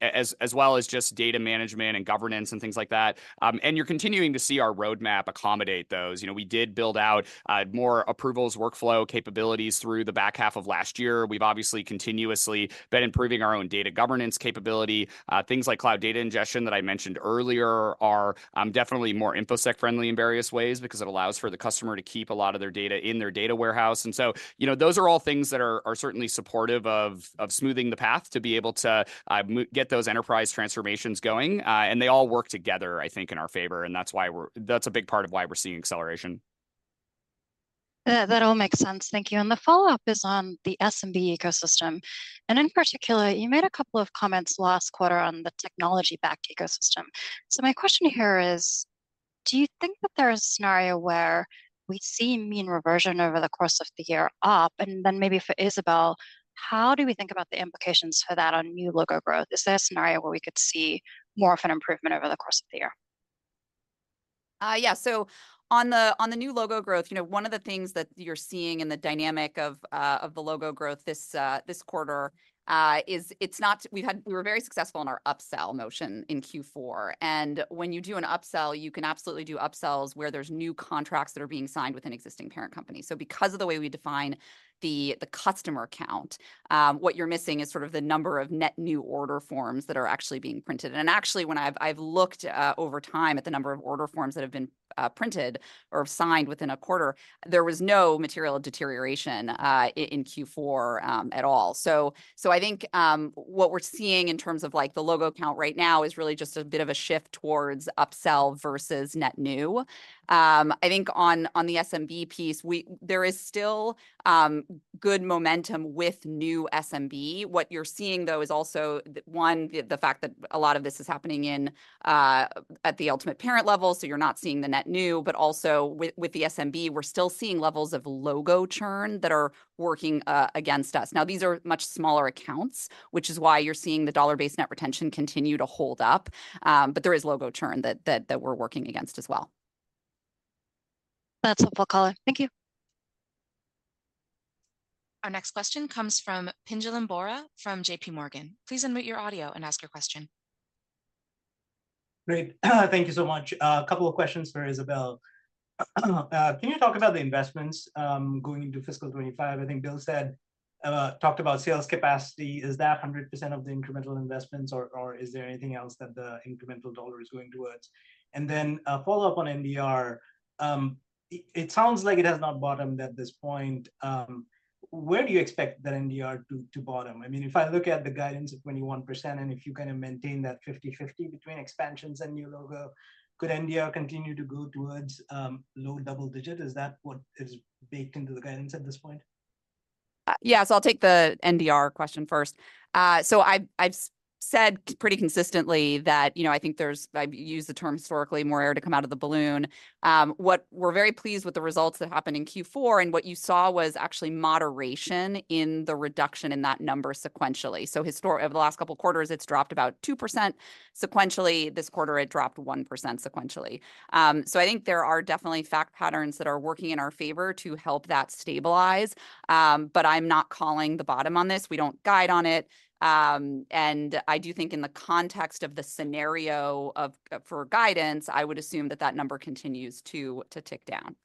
Speaker 3: as well as just data management and governance, and things like that. And you're continuing to see our roadmap accommodate those. You know, we did build out more approvals, workflow capabilities through the back half of last year. We've obviously continuously been improving our own data governance capability. Things like Cloud Data Ingestion that I mentioned earlier are definitely more InfoSec friendly in various ways because it allows for the customer to keep a lot of their data in their data warehouse. And so, you know, those are all things that are certainly supportive of smoothing the path to be able to get those enterprise transformations going, and they all work together, I think, in our favor, and that's why we're seeing acceleration. That's a big part of why we're seeing acceleration.
Speaker 8: That all makes sense. Thank you. And the follow-up is on the SMB ecosystem, and in particular, you made a couple of comments last quarter on the technology-backed ecosystem. So my question here is: do you think that there is a scenario where we see mean reversion over the course of the year up? And then maybe for Isabelle, how do we think about the implications for that on new logo growth? Is there a scenario where we could see more of an improvement over the course of the year?
Speaker 4: Yeah, so on the new logo growth, you know, one of the things that you're seeing in the dynamic of the logo growth this quarter is it's not—we've had—we were very successful in our upsell motion in Q4. When you do an upsell, you can absolutely do upsells where there's new contracts that are being signed with an existing parent company. So because of the way we define the customer count, what you're missing is sort of the number of net new order forms that are actually being printed. And actually, when I've looked over time at the number of order forms that have been printed or signed within a quarter, there was no material deterioration in Q4 at all. So I think what we're seeing in terms of, like, the logo count right now is really just a bit of a shift towards upsell versus net new. I think on the SMB piece, there is still good momentum with new SMB. What you're seeing, though, is also the fact that a lot of this is happening at the ultimate parent level, so you're not seeing the net new, but also with the SMB, we're still seeing levels of logo churn that are working against us. Now, these are much smaller accounts, which is why you're seeing the dollar-based net retention continue to hold up, but there is logo churn that we're working against as well.
Speaker 8: That's helpful color. Thank you.
Speaker 1: Our next question comes from Pinjalim Bora from J.P. Morgan. Please unmute your audio and ask your question.
Speaker 9: Great. Thank you so much. A couple of questions for Isabelle. Can you talk about the investments going into fiscal 2025? I think Bill said talked about sales capacity. Is that 100% of the incremental investments, or is there anything else that the incremental dollar is going towards? And then a follow-up on NDR. It sounds like it has not bottomed at this point. Where do you expect that NDR to bottom? I mean, if I look at the guidance of 21%, and if you kinda maintain that 50/50 between expansions and new logo, could NDR continue to go towards low double digit? Is that what is baked into the guidance at this point?
Speaker 4: Yeah, so I'll take the NDR question first. So I've said pretty consistently that, you know, I think there's... I've used the term historically, more air to come out of the balloon. We're very pleased with the results that happened in Q4, and what you saw was actually moderation in the reduction in that number sequentially. So over the last couple of quarters, it's dropped about 2%. Sequentially, this quarter, it dropped 1% sequentially. So I think there are definitely fact patterns that are working in our favor to help that stabilize. But I'm not calling the bottom on this. We don't guide on it. And I do think in the context of the scenario of, for guidance, I would assume that that number continues to tick down.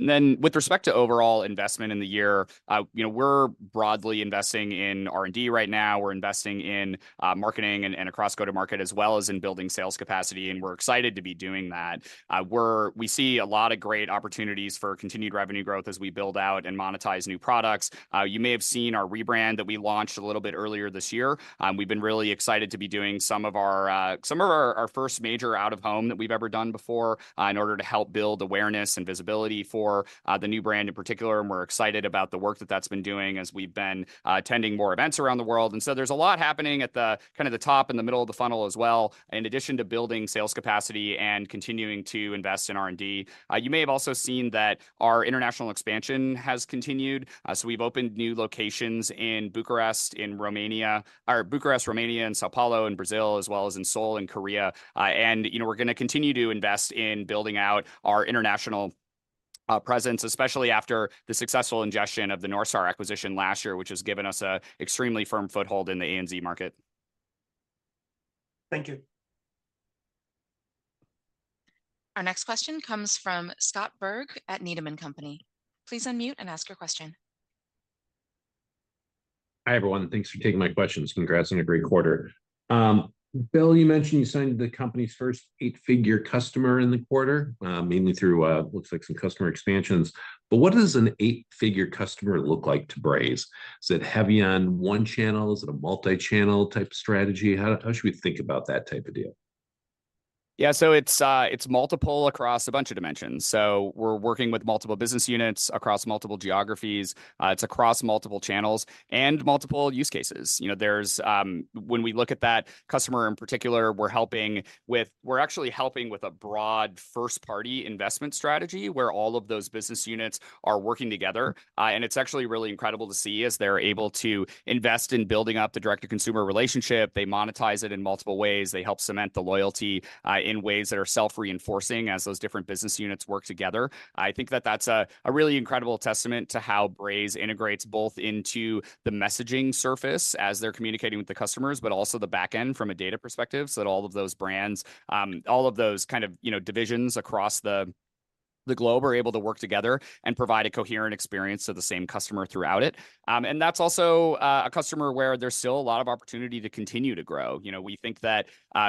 Speaker 3: With respect to overall investment in the year, you know, we're broadly investing in R&D right now. We're investing in marketing and across go-to-market, as well as in building sales capacity, and we're excited to be doing that. We see a lot of great opportunities for continued revenue growth as we build out and monetize new products. You may have seen our rebrand that we launched a little bit earlier this year. We've been really excited to be doing some of our first major out-of-home that we've ever done before in order to help build awareness and visibility for the new brand in particular. We're excited about the work that that's been doing as we've been attending more events around the world. And so there's a lot happening at the, kinda the top and the middle of the funnel as well, in addition to building sales capacity and continuing to invest in R&D. You may have also seen that our international expansion has continued. So we've opened new locations in Bucharest, in Romania, Bucharest, Romania, in São Paulo, in Brazil, as well as Seoul in Korea. And, you know, we're gonna continue to invest in building out our international, presence, especially after the successful ingestion of the North Star acquisition last year, which has given us a extremely firm foothold in the ANZ market.
Speaker 9: Thank you.
Speaker 1: Our next question comes from Scott Berg at Needham & Company. Please unmute and ask your question....
Speaker 10: Hi, everyone, thanks for taking my questions. Congrats on a great quarter. Bill, you mentioned you signed the company's first eight-figure customer in the quarter, mainly through, looks like some customer expansions. But what does an eight-figure customer look like to Braze? Is it heavy on one channel? Is it a multi-channel type strategy? How should we think about that type of deal?
Speaker 3: Yeah, so it's, it's multiple across a bunch of dimensions. So we're working with multiple business units across multiple geographies. It's across multiple channels and multiple use cases. You know, there's, when we look at that customer in particular, we're actually helping with a broad first-party investment strategy, where all of those business units are working together. And it's actually really incredible to see as they're able to invest in building up the direct-to-consumer relationship. They monetize it in multiple ways. They help cement the loyalty, in ways that are self-reinforcing as those different business units work together. I think that that's a really incredible testament to how Braze integrates both into the messaging surface as they're communicating with the customers, but also the back end from a data perspective, so that all of those brands, all of those kind of, you know, divisions across the globe are able to work together and provide a coherent experience to the same customer throughout it. And that's also a customer where there's still a lot of opportunity to continue to grow. You know, we think that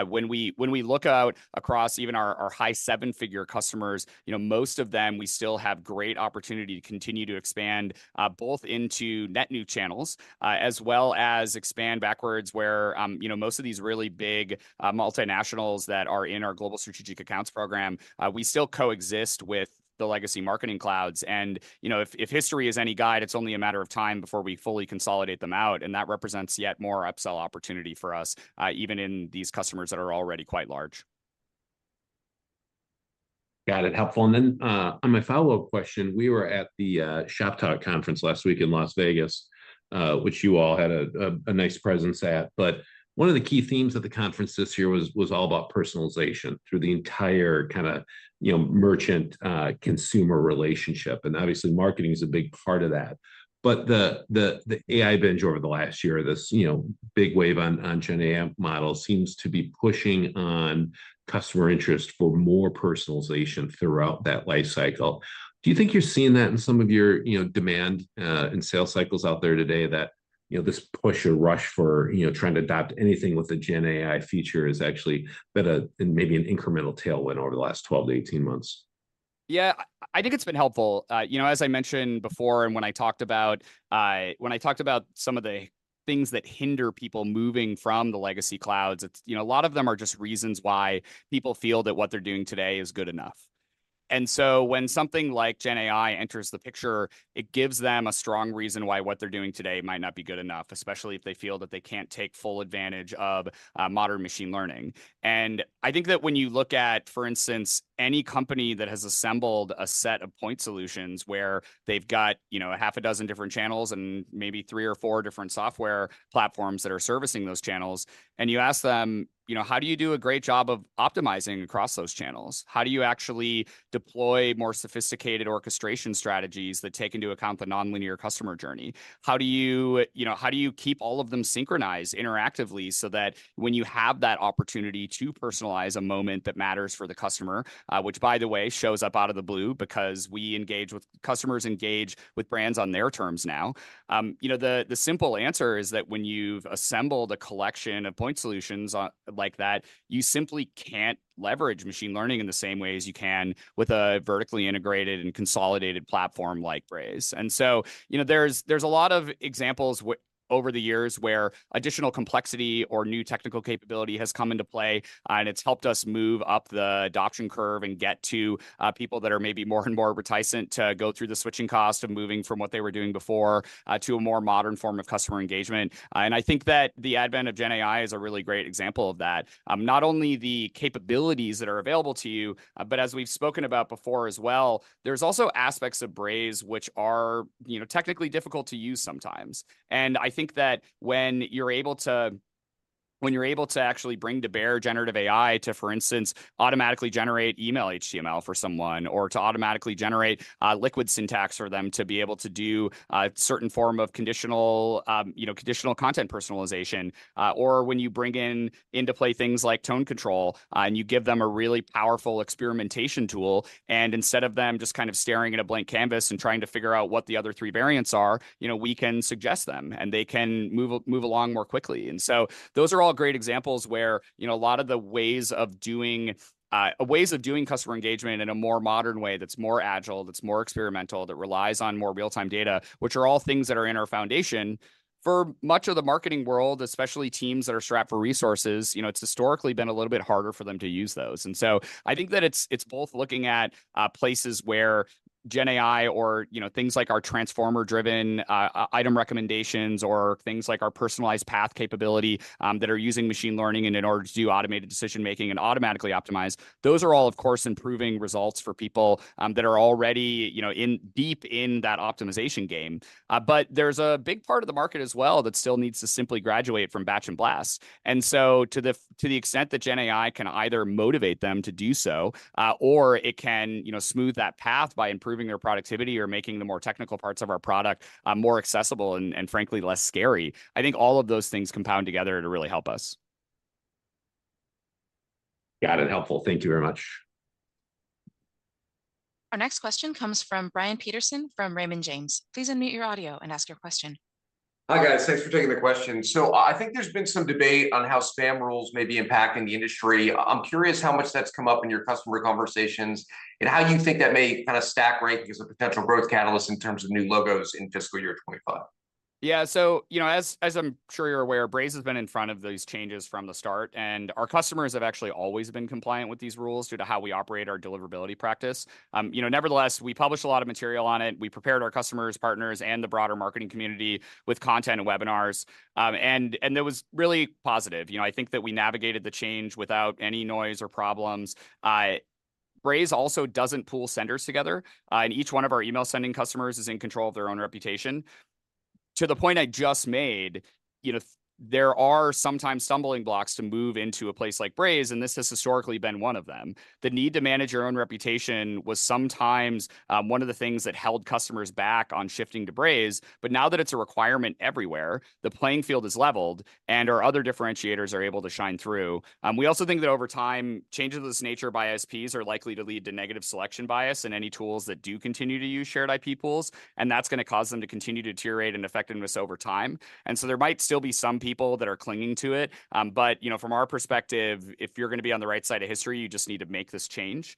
Speaker 3: when we, when we look out across even our high seven-figure customers, you know, most of them, we still have great opportunity to continue to expand both into net new channels as well as expand backwards where, you know, most of these really big multinationals that are in our global strategic accounts program, we still coexist with the legacy Marketing Clouds. And, you know, if history is any guide, it's only a matter of time before we fully consolidate them out, and that represents yet more upsell opportunity for us even in these customers that are already quite large.
Speaker 10: Got it. Helpful. And then, on my follow-up question, we were at the Shoptalk conference last week in Las Vegas, which you all had a nice presence at. But one of the key themes of the conference this year was all about personalization through the entire kind of, you know, merchant, consumer relationship, and obviously, marketing is a big part of that. But the AI binge over the last year, this, you know, big wave on Gen AI model, seems to be pushing on customer interest for more personalization throughout that life cycle. Do you think you're seeing that in some of your, you know, demand, and sales cycles out there today, that, you know, this push or rush for, you know, trying to adopt anything with a Gen AI feature is actually been a, maybe an incremental tailwind over the last 12-18 months?
Speaker 3: Yeah, I think it's been helpful. You know, as I mentioned before, and when I talked about some of the things that hinder people moving from the legacy clouds, it's... You know, a lot of them are just reasons why people feel that what they're doing today is good enough. And so when something like Gen AI enters the picture, it gives them a strong reason why what they're doing today might not be good enough, especially if they feel that they can't take full advantage of modern machine learning. I think that when you look at, for instance, any company that has assembled a set of point solutions where they've got, you know, a half a dozen different channels and maybe three or four different software platforms that are servicing those channels, and you ask them, "You know, how do you do a great job of optimizing across those channels? How do you actually deploy more sophisticated orchestration strategies that take into account the nonlinear customer journey? How do you, you know, how do you keep all of them synchronized interactively so that when you have that opportunity to personalize a moment that matters for the customer?" Which by the way, shows up out of the blue because customers engage with brands on their terms now. You know, the simple answer is that when you've assembled a collection of point solutions on, like that, you simply can't leverage machine learning in the same way as you can with a vertically integrated and consolidated platform like Braze. And so, you know, there's a lot of examples over the years where additional complexity or new technical capability has come into play, and it's helped us move up the adoption curve and get to people that are maybe more and more reticent to go through the switching cost of moving from what they were doing before to a more modern form of customer engagement. And I think that the advent of Gen AI is a really great example of that. Not only the capabilities that are available to you, but as we've spoken about before as well, there's also aspects of Braze which are, you know, technically difficult to use sometimes. And I think that when you're able to actually bring to bear generative AI to, for instance, automatically generate email HTML for someone, or to automatically generate Liquid syntax for them to be able to do certain form of conditional content personalization. Or when you bring into play things like Tone Control, and you give them a really powerful experimentation tool, and instead of them just kind of staring at a blank Canvas and trying to figure out what the other three variants are, you know, we can suggest them, and they can move along more quickly. And so those are all great examples where, you know, a lot of the ways of doing customer engagement in a more modern way that's more agile, that's more experimental, that relies on more real-time data, which are all things that are in our foundation. For much of the marketing world, especially teams that are strapped for resources, you know, it's historically been a little bit harder for them to use those. And so I think that it's both looking at places where Gen AI or, you know, things like our transformer-driven item recommendations, or things like our personalized path capability, that are using machine learning in order to do automated decision-making and automatically optimize, those are all, of course, improving results for people that are already, you know, in deep in that optimization game. But there's a big part of the market as well that still needs to simply graduate from batch and blast. And so to the extent that Gen AI can either motivate them to do so, or it can, you know, smooth that path by improving their productivity or making the more technical parts of our product more accessible and, and frankly, less scary, I think all of those things compound together to really help us.
Speaker 10: Got it. Helpful. Thank you very much.
Speaker 1: Our next question comes from Brian Peterson from Raymond James. Please unmute your audio and ask your question.
Speaker 11: Hi, guys. Thanks for taking the question. I think there's been some debate on how spam rules may be impacting the industry. I'm curious how much that's come up in your customer conversations, and how you think that may kinda stack rank as a potential growth catalyst in terms of new logos in fiscal year 2025?
Speaker 3: Yeah, so, you know, as I'm sure you're aware, Braze has been in front of these changes from the start, and our customers have actually always been compliant with these rules due to how we operate our deliverability practice. You know, nevertheless, we publish a lot of material on it. We prepared our customers, partners, and the broader marketing community with content and webinars. And it was really positive. You know, I think that we navigated the change without any noise or problems. Braze also doesn't pool senders together, and each one of our email-sending customers is in control of their own reputation. To the point I just made, you know, there are sometimes stumbling blocks to move into a place like Braze, and this has historically been one of them. The need to manage your own reputation was sometimes one of the things that held customers back on shifting to Braze. But now that it's a requirement everywhere, the playing field is leveled, and our other differentiators are able to shine through. We also think that over time, changes of this nature by ISPs are likely to lead to negative selection bias in any tools that do continue to use shared IP pools, and that's gonna cause them to continue to deteriorate in effectiveness over time. So there might still be some people that are clinging to it, but, you know, from our perspective, if you're gonna be on the right side of history, you just need to make this change.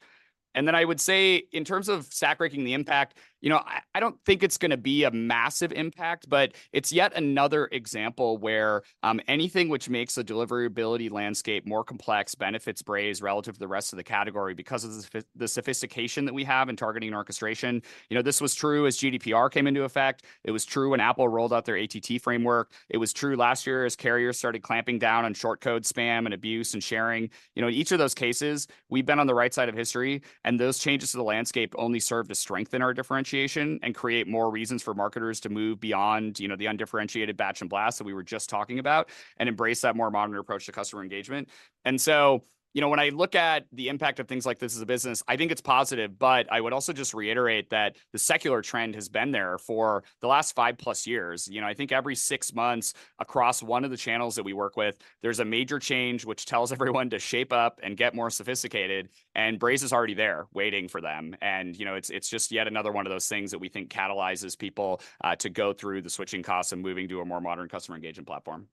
Speaker 3: I would say, in terms of stack ranking the impact, you know, I don't think it's gonna be a massive impact, but it's yet another example where anything which makes the deliverability landscape more complex benefits Braze relative to the rest of the category because of the sophistication that we have in targeting and orchestration. You know, this was true as GDPR came into effect. It was true when Apple rolled out their ATT framework. It was true last year as carriers started clamping down on short code spam and abuse and sharing. You know, each of those cases, we've been on the right side of history, and those changes to the landscape only serve to strengthen our differentiation and create more reasons for marketers to move beyond, you know, the undifferentiated batch and blast that we were just talking about, and embrace that more modern approach to customer engagement. So, you know, when I look at the impact of things like this as a business, I think it's positive, but I would also just reiterate that the secular trend has been there for the last 5+ years. You know, I think every six months across one of the channels that we work with, there's a major change which tells everyone to shape up and get more sophisticated, and Braze is already there, waiting for them. You know, it's just yet another one of those things that we think catalyzes people to go through the switching costs and moving to a more modern customer engagement platform.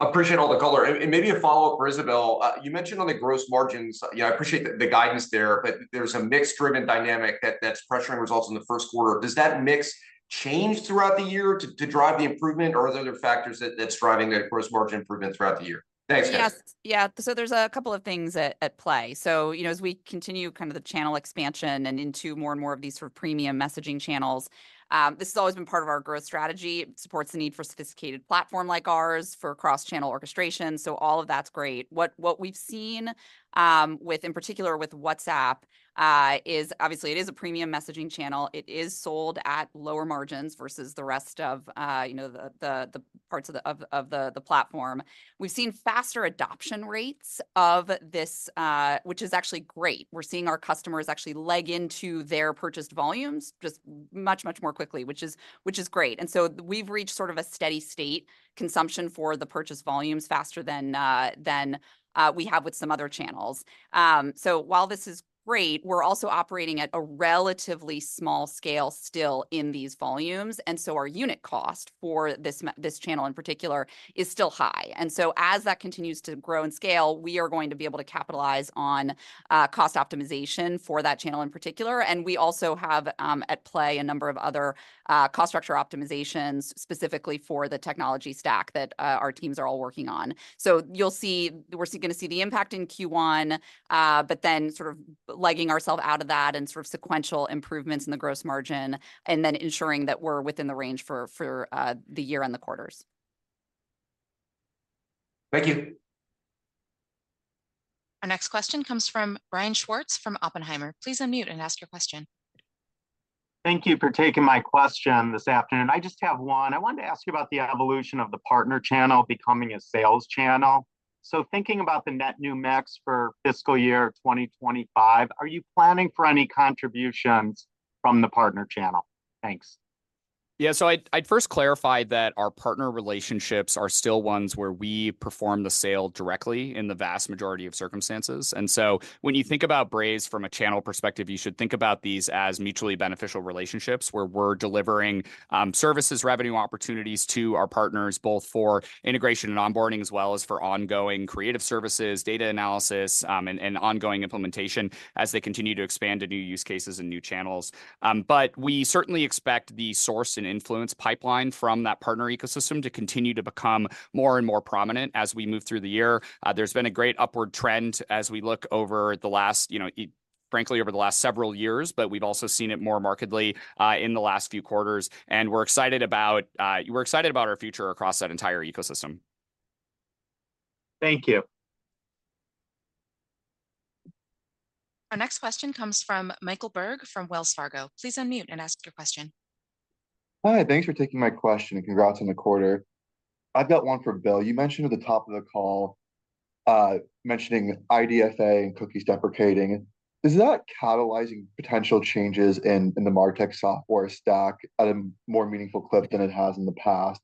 Speaker 11: Appreciate all the color. Maybe a follow-up for Isabelle. You mentioned on the gross margins. You know, I appreciate the guidance there, but there's a mix-driven dynamic that's pressuring results in the first quarter. Does that mix change throughout the year to drive the improvement, or are there other factors that's driving the gross margin improvement throughout the year? Thanks, guys.
Speaker 4: Yes. Yeah, so there's a couple of things at play. So, you know, as we continue kind of the channel expansion and into more and more of these sort of premium messaging channels, this has always been part of our growth strategy. It supports the need for a sophisticated platform like ours for cross-channel orchestration, so all of that's great. What we've seen with, in particular with WhatsApp is obviously it is a premium messaging channel. It is sold at lower margins versus the rest of, you know, the parts of the platform. We've seen faster adoption rates of this, which is actually great. We're seeing our customers actually leg into their purchased volumes just much, much more quickly, which is great. And so we've reached sort of a steady state consumption for the purchase volumes faster than we have with some other channels. So while this is great, we're also operating at a relatively small scale still in these volumes, and so our unit cost for this channel in particular is still high. And so as that continues to grow in scale, we are going to be able to capitalize on cost optimization for that channel in particular. And we also have at play a number of other cost structure optimizations, specifically for the technology stack that our teams are all working on. So you'll see... We're gonna see the impact in Q1, but then sort of legging ourselves out of that and sort of sequential improvements in the gross margin, and then ensuring that we're within the range for the year and the quarters.
Speaker 11: Thank you.
Speaker 1: Our next question comes from Brian Schwartz from Oppenheimer. Please unmute and ask your question.
Speaker 12: Thank you for taking my question this afternoon. I just have one. I wanted to ask you about the evolution of the partner channel becoming a sales channel. So thinking about the net new ARR for fiscal year 2025, are you planning for any contributions from the partner channel? Thanks.
Speaker 3: Yeah, so I'd first clarify that our partner relationships are still ones where we perform the sale directly in the vast majority of circumstances. And so when you think about Braze from a channel perspective, you should think about these as mutually beneficial relationships, where we're delivering services, revenue opportunities to our partners, both for integration and onboarding, as well as for ongoing creative services, data analysis, and ongoing implementation as they continue to expand to new use cases and new channels. But we certainly expect the source and influence pipeline from that partner ecosystem to continue to become more and more prominent as we move through the year. There's been a great upward trend as we look over the last, you know, frankly, over the last several years, but we've also seen it more markedly in the last few quarters, and we're excited about our future across that entire ecosystem.
Speaker 12: Thank you.
Speaker 1: Our next question comes from Michael Berg from Wells Fargo. Please unmute and ask your question.
Speaker 13: Hi, thanks for taking my question, and congrats on the quarter. I've got one for Bill. You mentioned at the top of the call, mentioning IDFA and cookies deprecating. Is that catalyzing potential changes in, in the MarTech software stack at a more meaningful clip than it has in the past?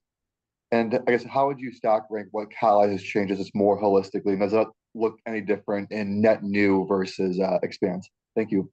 Speaker 13: And I guess, how would you stack rank what catalyzes changes more holistically? And does that look any different in net new versus expansion? Thank you.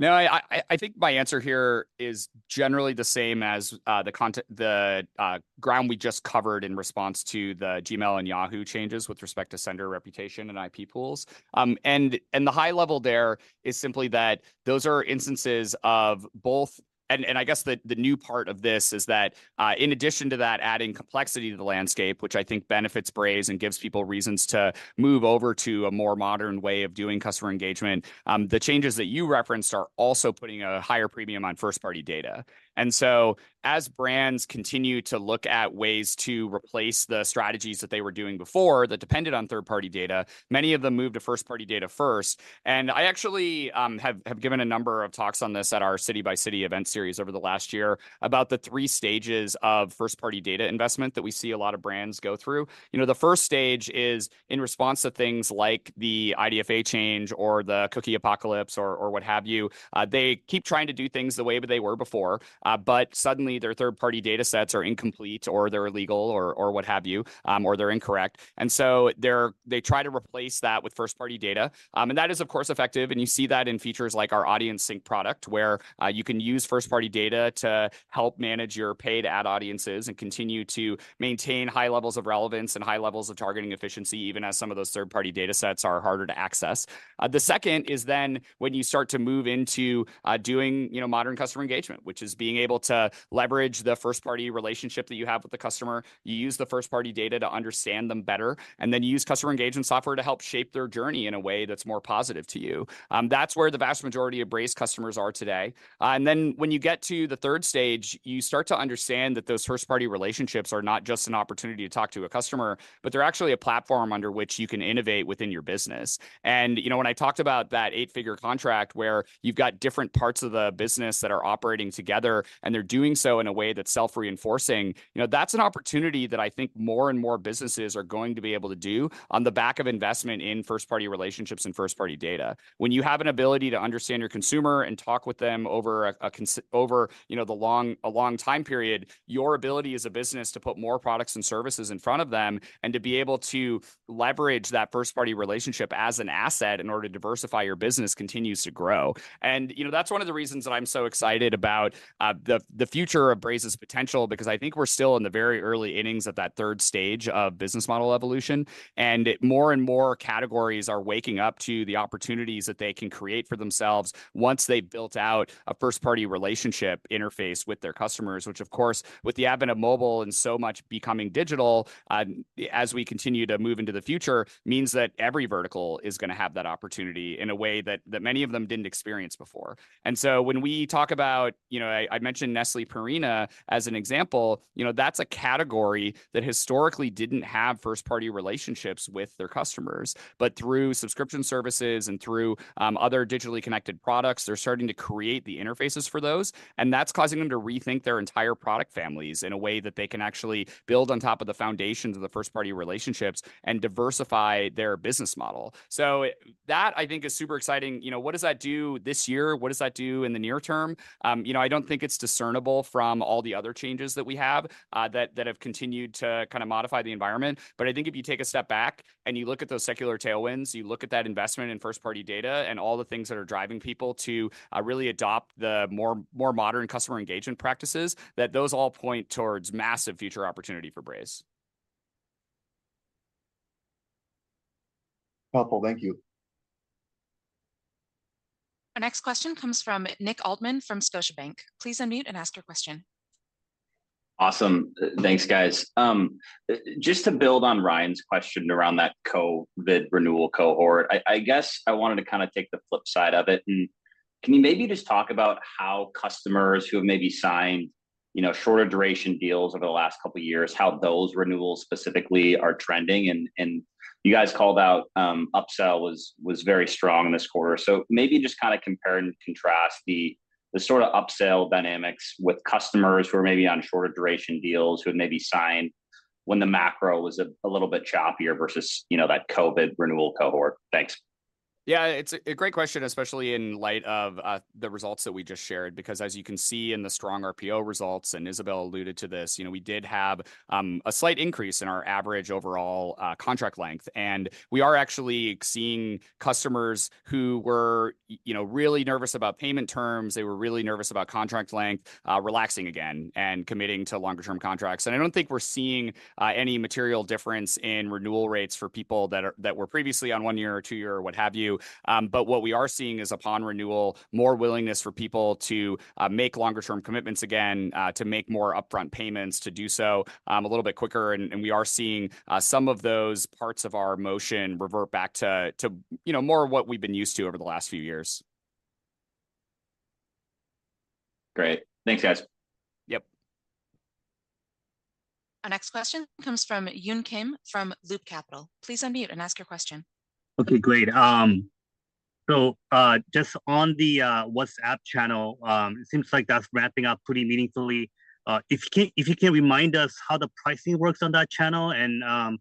Speaker 3: No, I think my answer here is generally the same as the ground we just covered in response to the Gmail and Yahoo changes with respect to sender reputation and IP pools. And the high level there is simply that those are instances of both and I guess the new part of this is that in addition to that, adding complexity to the landscape, which I think benefits Braze and gives people reasons to move over to a more modern way of doing customer engagement, the changes that you referenced are also putting a higher premium on first-party data. And so as brands continue to look at ways to replace the strategies that they were doing before, that depended on third-party data, many of them move to first-party data first. And I actually have given a number of talks on this at our city-by-city event series over the last year, about the three stages of first-party data investment that we see a lot of brands go through. You know, the first stage is in response to things like the IDFA change or the cookie apocalypse or what have you. They keep trying to do things the way that they were before, but suddenly, their third-party data sets are incomplete, or they're illegal or what have you, or they're incorrect. So they try to replace that with first-party data. And that is, of course, effective, and you see that in features like our Audience Sync product, where you can use first-party data to help manage your paid ad audiences and continue to maintain high levels of relevance and high levels of targeting efficiency, even as some of those third-party data sets are harder to access. The second is then when you start to move into doing, you know, modern customer engagement, which is being able to leverage the first-party relationship that you have with the customer. You use the first-party data to understand them better, and then you use customer engagement software to help shape their journey in a way that's more positive to you. That's where the vast majority of Braze customers are today. And then when you get to the third stage, you start to understand that those first-party relationships are not just an opportunity to talk to a customer, but they're actually a platform under which you can innovate within your business. And, you know, when I talked about that eight-figure contract where you've got different parts of the business that are operating together, and they're doing so in a way that's self-reinforcing, you know, that's an opportunity that I think more and more businesses are going to be able to do on the back of investment in first-party relationships and first-party data. When you have an ability to understand your consumer and talk with them over, you know, a long time period, your ability as a business to put more products and services in front of them, and to be able to leverage that first-party relationship as an asset in order to diversify your business, continues to grow. You know, that's one of the reasons that I'm so excited about the future of Braze's potential, because I think we're still in the very early innings of that third stage of business model evolution. And more and more categories are waking up to the opportunities that they can create for themselves once they've built out a first-party relationship interface with their customers, which, of course, with the advent of mobile and so much becoming digital, as we continue to move into the future, means that every vertical is gonna have that opportunity in a way that, that many of them didn't experience before. And so when we talk about... You know, I, I mentioned Nestlé Purina as an example. You know, that's a category that historically didn't have first-party relationships with their customers, but through subscription services and through, other digitally connected products, they're starting to create the interfaces for those. And that's causing them to rethink their entire product families in a way that they can actually build on top of the foundations of the first-party relationships and diversify their business model. So that, I think, is super exciting. You know, what does that do this year? What does that do in the near term? You know, I don't think it's discernible from all the other changes that we have that have continued to kinda modify the environment. But I think if you take a step back and you look at those secular tailwinds, you look at that investment in first-party data and all the things that are driving people to really adopt the more modern customer engagement practices, that those all point towards massive future opportunity for Braze.
Speaker 13: Helpful. Thank you.
Speaker 1: Our next question comes from Nick Altmann from Scotiabank. Please unmute and ask your question.
Speaker 14: Awesome. Thanks, guys. Just to build on Ryan's question around that COVID renewal cohort, I guess I wanted to kinda take the flip side of it, and can you maybe just talk about how customers who have maybe signed, you know, shorter-duration deals over the last couple of years, how those renewals specifically are trending? And you guys called out, upsell was very strong this quarter. So maybe just kinda compare and contrast the sort of upsell dynamics with customers who are maybe on shorter-duration deals, who had maybe signed when the macro was a little bit choppier versus, you know, that COVID renewal cohort. Thanks.
Speaker 3: Yeah, it's a great question, especially in light of the results that we just shared, because as you can see in the strong RPO results, and Isabelle alluded to this, you know, we did have a slight increase in our average overall contract length. And we are actually seeing customers who were, you know, really nervous about payment terms; they were really nervous about contract length, relaxing again and committing to longer-term contracts. And I don't think we're seeing any material difference in renewal rates for people that were previously on 1-year or 2-year or what have you. But what we are seeing is, upon renewal, more willingness for people to make longer-term commitments again, to make more upfront payments, to do so a little bit quicker, and we are seeing some of those parts of our motion revert back to, you know, more of what we've been used to over the last few years.
Speaker 14: Great. Thanks, guys.
Speaker 3: Yep.
Speaker 1: Our next question comes from Yun Kim from Loop Capital. Please unmute and ask your question.
Speaker 15: Okay, great. So, just on the WhatsApp channel, it seems like that's ramping up pretty meaningfully. If you can remind us how the pricing works on that channel and,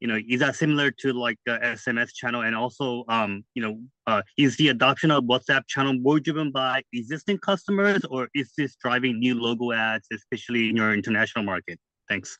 Speaker 15: you know, is that similar to like the SMS channel? And also, you know, is the adoption of WhatsApp channel more driven by existing customers, or is this driving new logo ads, especially in your international market? Thanks.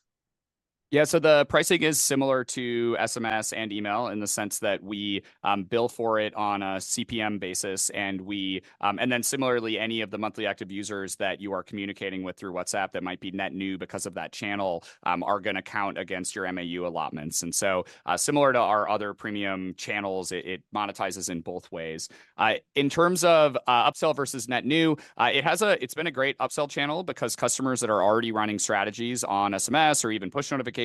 Speaker 3: Yeah, so the pricing is similar to SMS and email in the sense that we bill for it on a CPM basis, and we... And then similarly, any of the monthly active users that you are communicating with through WhatsApp that might be net new because of that channel are gonna count against your MAU allotments. And so, similar to our other premium channels, it, it monetizes in both ways. In terms of, upsell versus net new, it has a- it's been a great upsell channel because customers that are already running strategies on SMS or even push notifications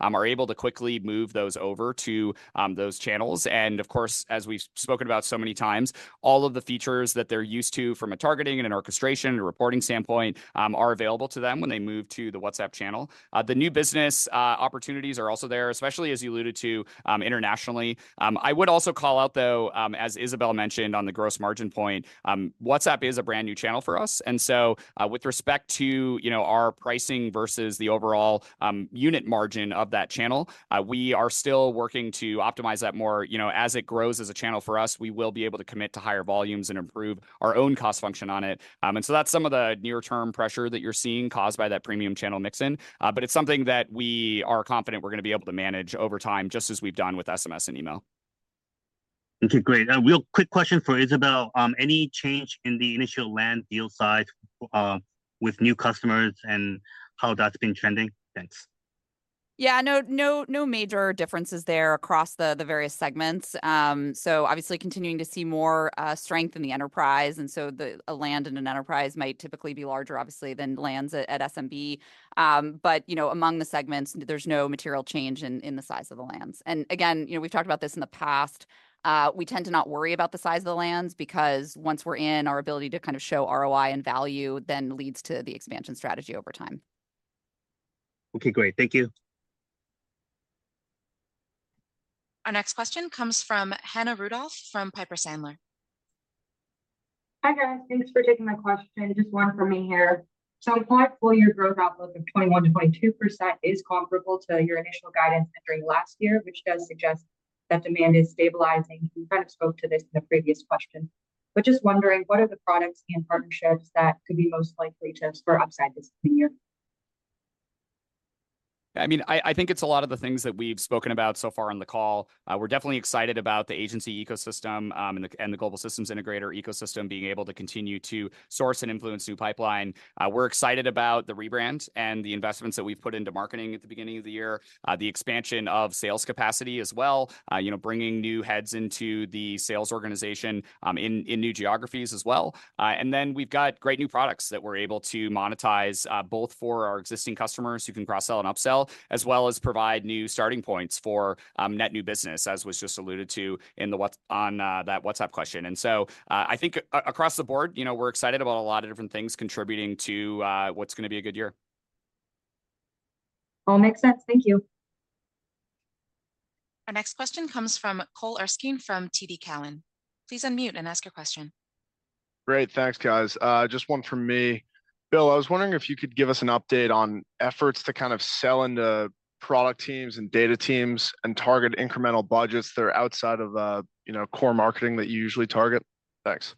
Speaker 3: are able to quickly move those over to, those channels. Of course, as we've spoken about so many times, all of the features that they're used to from a targeting and an orchestration and reporting standpoint are available to them when they move to the WhatsApp channel. The new business opportunities are also there, especially as you alluded to, internationally. I would also call out, though, as Isabelle mentioned on the gross margin point, WhatsApp is a brand-new channel for us, and so, with respect to, you know, our pricing versus the overall unit margin of that channel, we are still working to optimize that more. You know, as it grows as a channel for us, we will be able to commit to higher volumes and improve our own cost function on it. And so that's some of the near-term pressure that you're seeing caused by that premium channel mix in. But it's something that we are confident we're gonna be able to manage over time, just as we've done with SMS and email.
Speaker 15: Okay, great. Real quick question for Isabelle: Any change in the initial land deal size, with new customers and how that's been trending? Thanks.
Speaker 4: Yeah, no, no, no major differences there across the various segments. So obviously continuing to see more strength in the enterprise, and so a land in an enterprise might typically be larger, obviously, than lands at SMB. But, you know, among the segments, there's no material change in the size of the lands. And again, you know, we've talked about this in the past, we tend to not worry about the size of the lands because once we're in, our ability to kind of show ROI and value then leads to the expansion strategy over time.
Speaker 15: Okay, great. Thank you.
Speaker 1: Our next question comes from Hannah Rudolph from Piper Sandler.
Speaker 16: Hi, guys. Thanks for taking my question. Just one from me here. So the full-year growth outlook of 21%-22% is comparable to your initial guidance during last year, which does suggest that demand is stabilizing. You kind of spoke to this in the previous question, but just wondering, what are the products and partnerships that could be most likely to spur upside this new year?
Speaker 3: I mean, I think it's a lot of the things that we've spoken about so far on the call. We're definitely excited about the agency ecosystem, and the global systems integrator ecosystem being able to continue to source and influence new pipeline. We're excited about the rebrand and the investments that we've put into marketing at the beginning of the year, the expansion of sales capacity as well, you know, bringing new heads into the sales organization, in new geographies as well. And then we've got great new products that we're able to monetize, both for our existing customers who can cross-sell and upsell, as well as provide new starting points for, net new business, as was just alluded to in the WhatsApp question. I think across the board, you know, we're excited about a lot of different things contributing to what's gonna be a good year.
Speaker 16: All makes sense. Thank you.
Speaker 1: Our next question comes from Cole Erskine from TD Cowen. Please unmute and ask your question.
Speaker 17: Great, thanks, guys. Just one from me. Bill, I was wondering if you could give us an update on efforts to kind of sell into product teams and data teams and target incremental budgets that are outside of, you know, core marketing that you usually target. Thanks.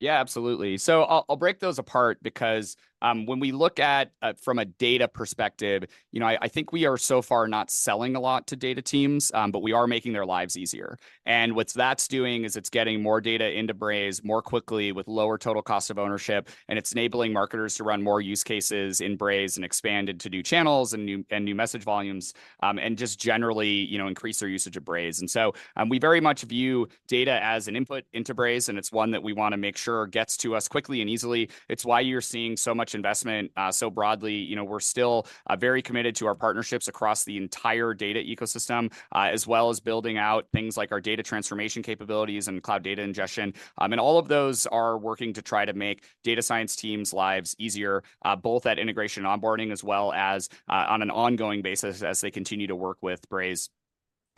Speaker 3: Yeah, absolutely. So I'll break those apart because when we look at from a data perspective, you know, I think we are so far not selling a lot to data teams, but we are making their lives easier. And what that's doing is it's getting more data into Braze more quickly with lower total cost of ownership, and it's enabling marketers to run more use cases in Braze and expand into new channels and new message volumes, and just generally, you know, increase their usage of Braze. And so we very much view data as an input into Braze, and it's one that we want to make sure gets to us quickly and easily. It's why you're seeing so much investment so broadly. You know, we're still very committed to our partnerships across the entire data ecosystem, as well as building out things like our data transformation capabilities and Cloud Data Ingestion. And all of those are working to try to make data science teams' lives easier, both at integration and onboarding, as well as on an ongoing basis as they continue to work with Braze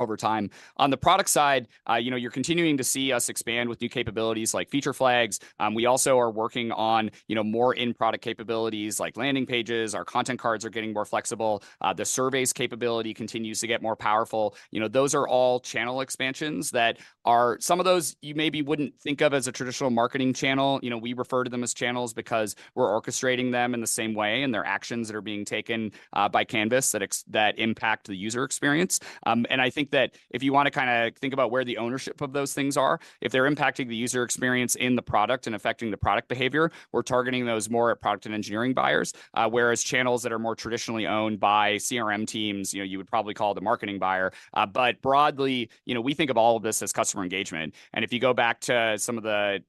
Speaker 3: over time. On the product side, you know, you're continuing to see us expand with new capabilities like Feature Flags. We also are working on, you know, more in-product capabilities, like Landing Pages. Our Content Cards are getting more flexible. The Surveys capability continues to get more powerful. You know, those are all channel expansions that are... Some of those you maybe wouldn't think of as a traditional marketing channel. You know, we refer to them as channels because we're orchestrating them in the same way, and they're actions that are being taken by Canvas that impact the user experience. And I think that if you want to kind of think about where the ownership of those things are, if they're impacting the user experience in the product and affecting the product behavior, we're targeting those more at product and engineering buyers. Whereas channels that are more traditionally owned by CRM teams, you know, you would probably call the marketing buyer. But broadly, you know, we think of all of this as customer engagement. If you go back to some of the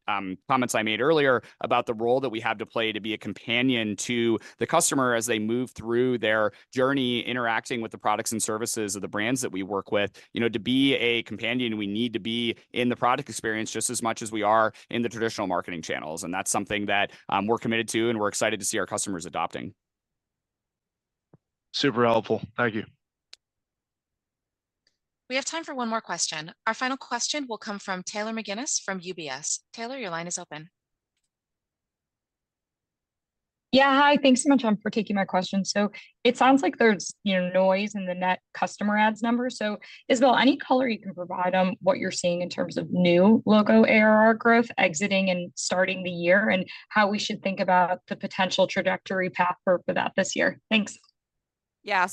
Speaker 3: comments I made earlier about the role that we have to play to be a companion to the customer as they move through their journey, interacting with the products and services of the brands that we work with, you know, to be a companion, we need to be in the product experience just as much as we are in the traditional marketing channels, and that's something that we're committed to, and we're excited to see our customers adopting.
Speaker 17: Super helpful. Thank you.
Speaker 1: We have time for one more question. Our final question will come from Taylor McGinnis from UBS. Taylor, your line is open.
Speaker 18: Yeah, hi. Thanks so much for taking my question. So it sounds like there's, you know, noise in the net customer adds numbers. So Isabelle, any color you can provide on what you're seeing in terms of new logo ARR growth exiting and starting the year, and how we should think about the potential trajectory path for, for that this year? Thanks.
Speaker 4: Yeah,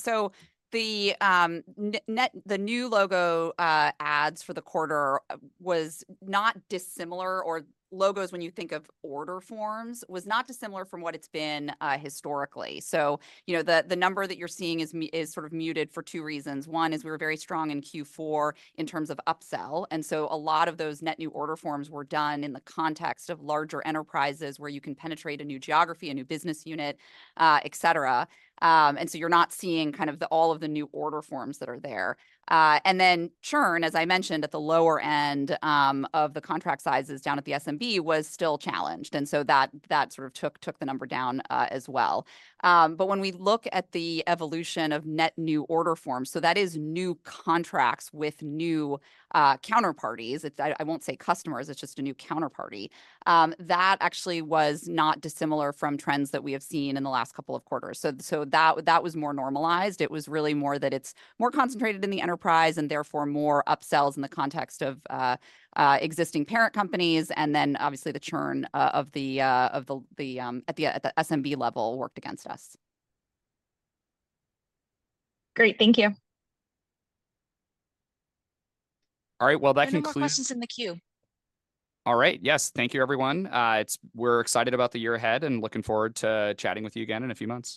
Speaker 4: so the net new logo adds for the quarter was not dissimilar. Our logos when you think of order forms was not dissimilar from what it's been historically. So, you know, the number that you're seeing is sort of muted for two reasons. One is we were very strong in Q4 in terms of upsell, and so a lot of those net new order forms were done in the context of larger enterprises where you can penetrate a new geography, a new business unit, et cetera. And so you're not seeing kind of all of the new order forms that are there. And then churn, as I mentioned, at the lower end of the contract sizes down at the SMB was still challenged, and so that sort of took the number down as well. But when we look at the evolution of net new order forms, so that is new contracts with new counterparties, it's. I won't say customers, it's just a new counterparty. That actually was not dissimilar from trends that we have seen in the last couple of quarters. So that was more normalized. It was really more that it's more concentrated in the enterprise and therefore more upsells in the context of existing parent companies, and then obviously the churn at the SMB level worked against us.
Speaker 18: Great. Thank you.
Speaker 3: All right, well, that concludes-
Speaker 1: No more questions in the queue.
Speaker 3: All right. Yes, thank you, everyone. We're excited about the year ahead and looking forward to chatting with you again in a few months.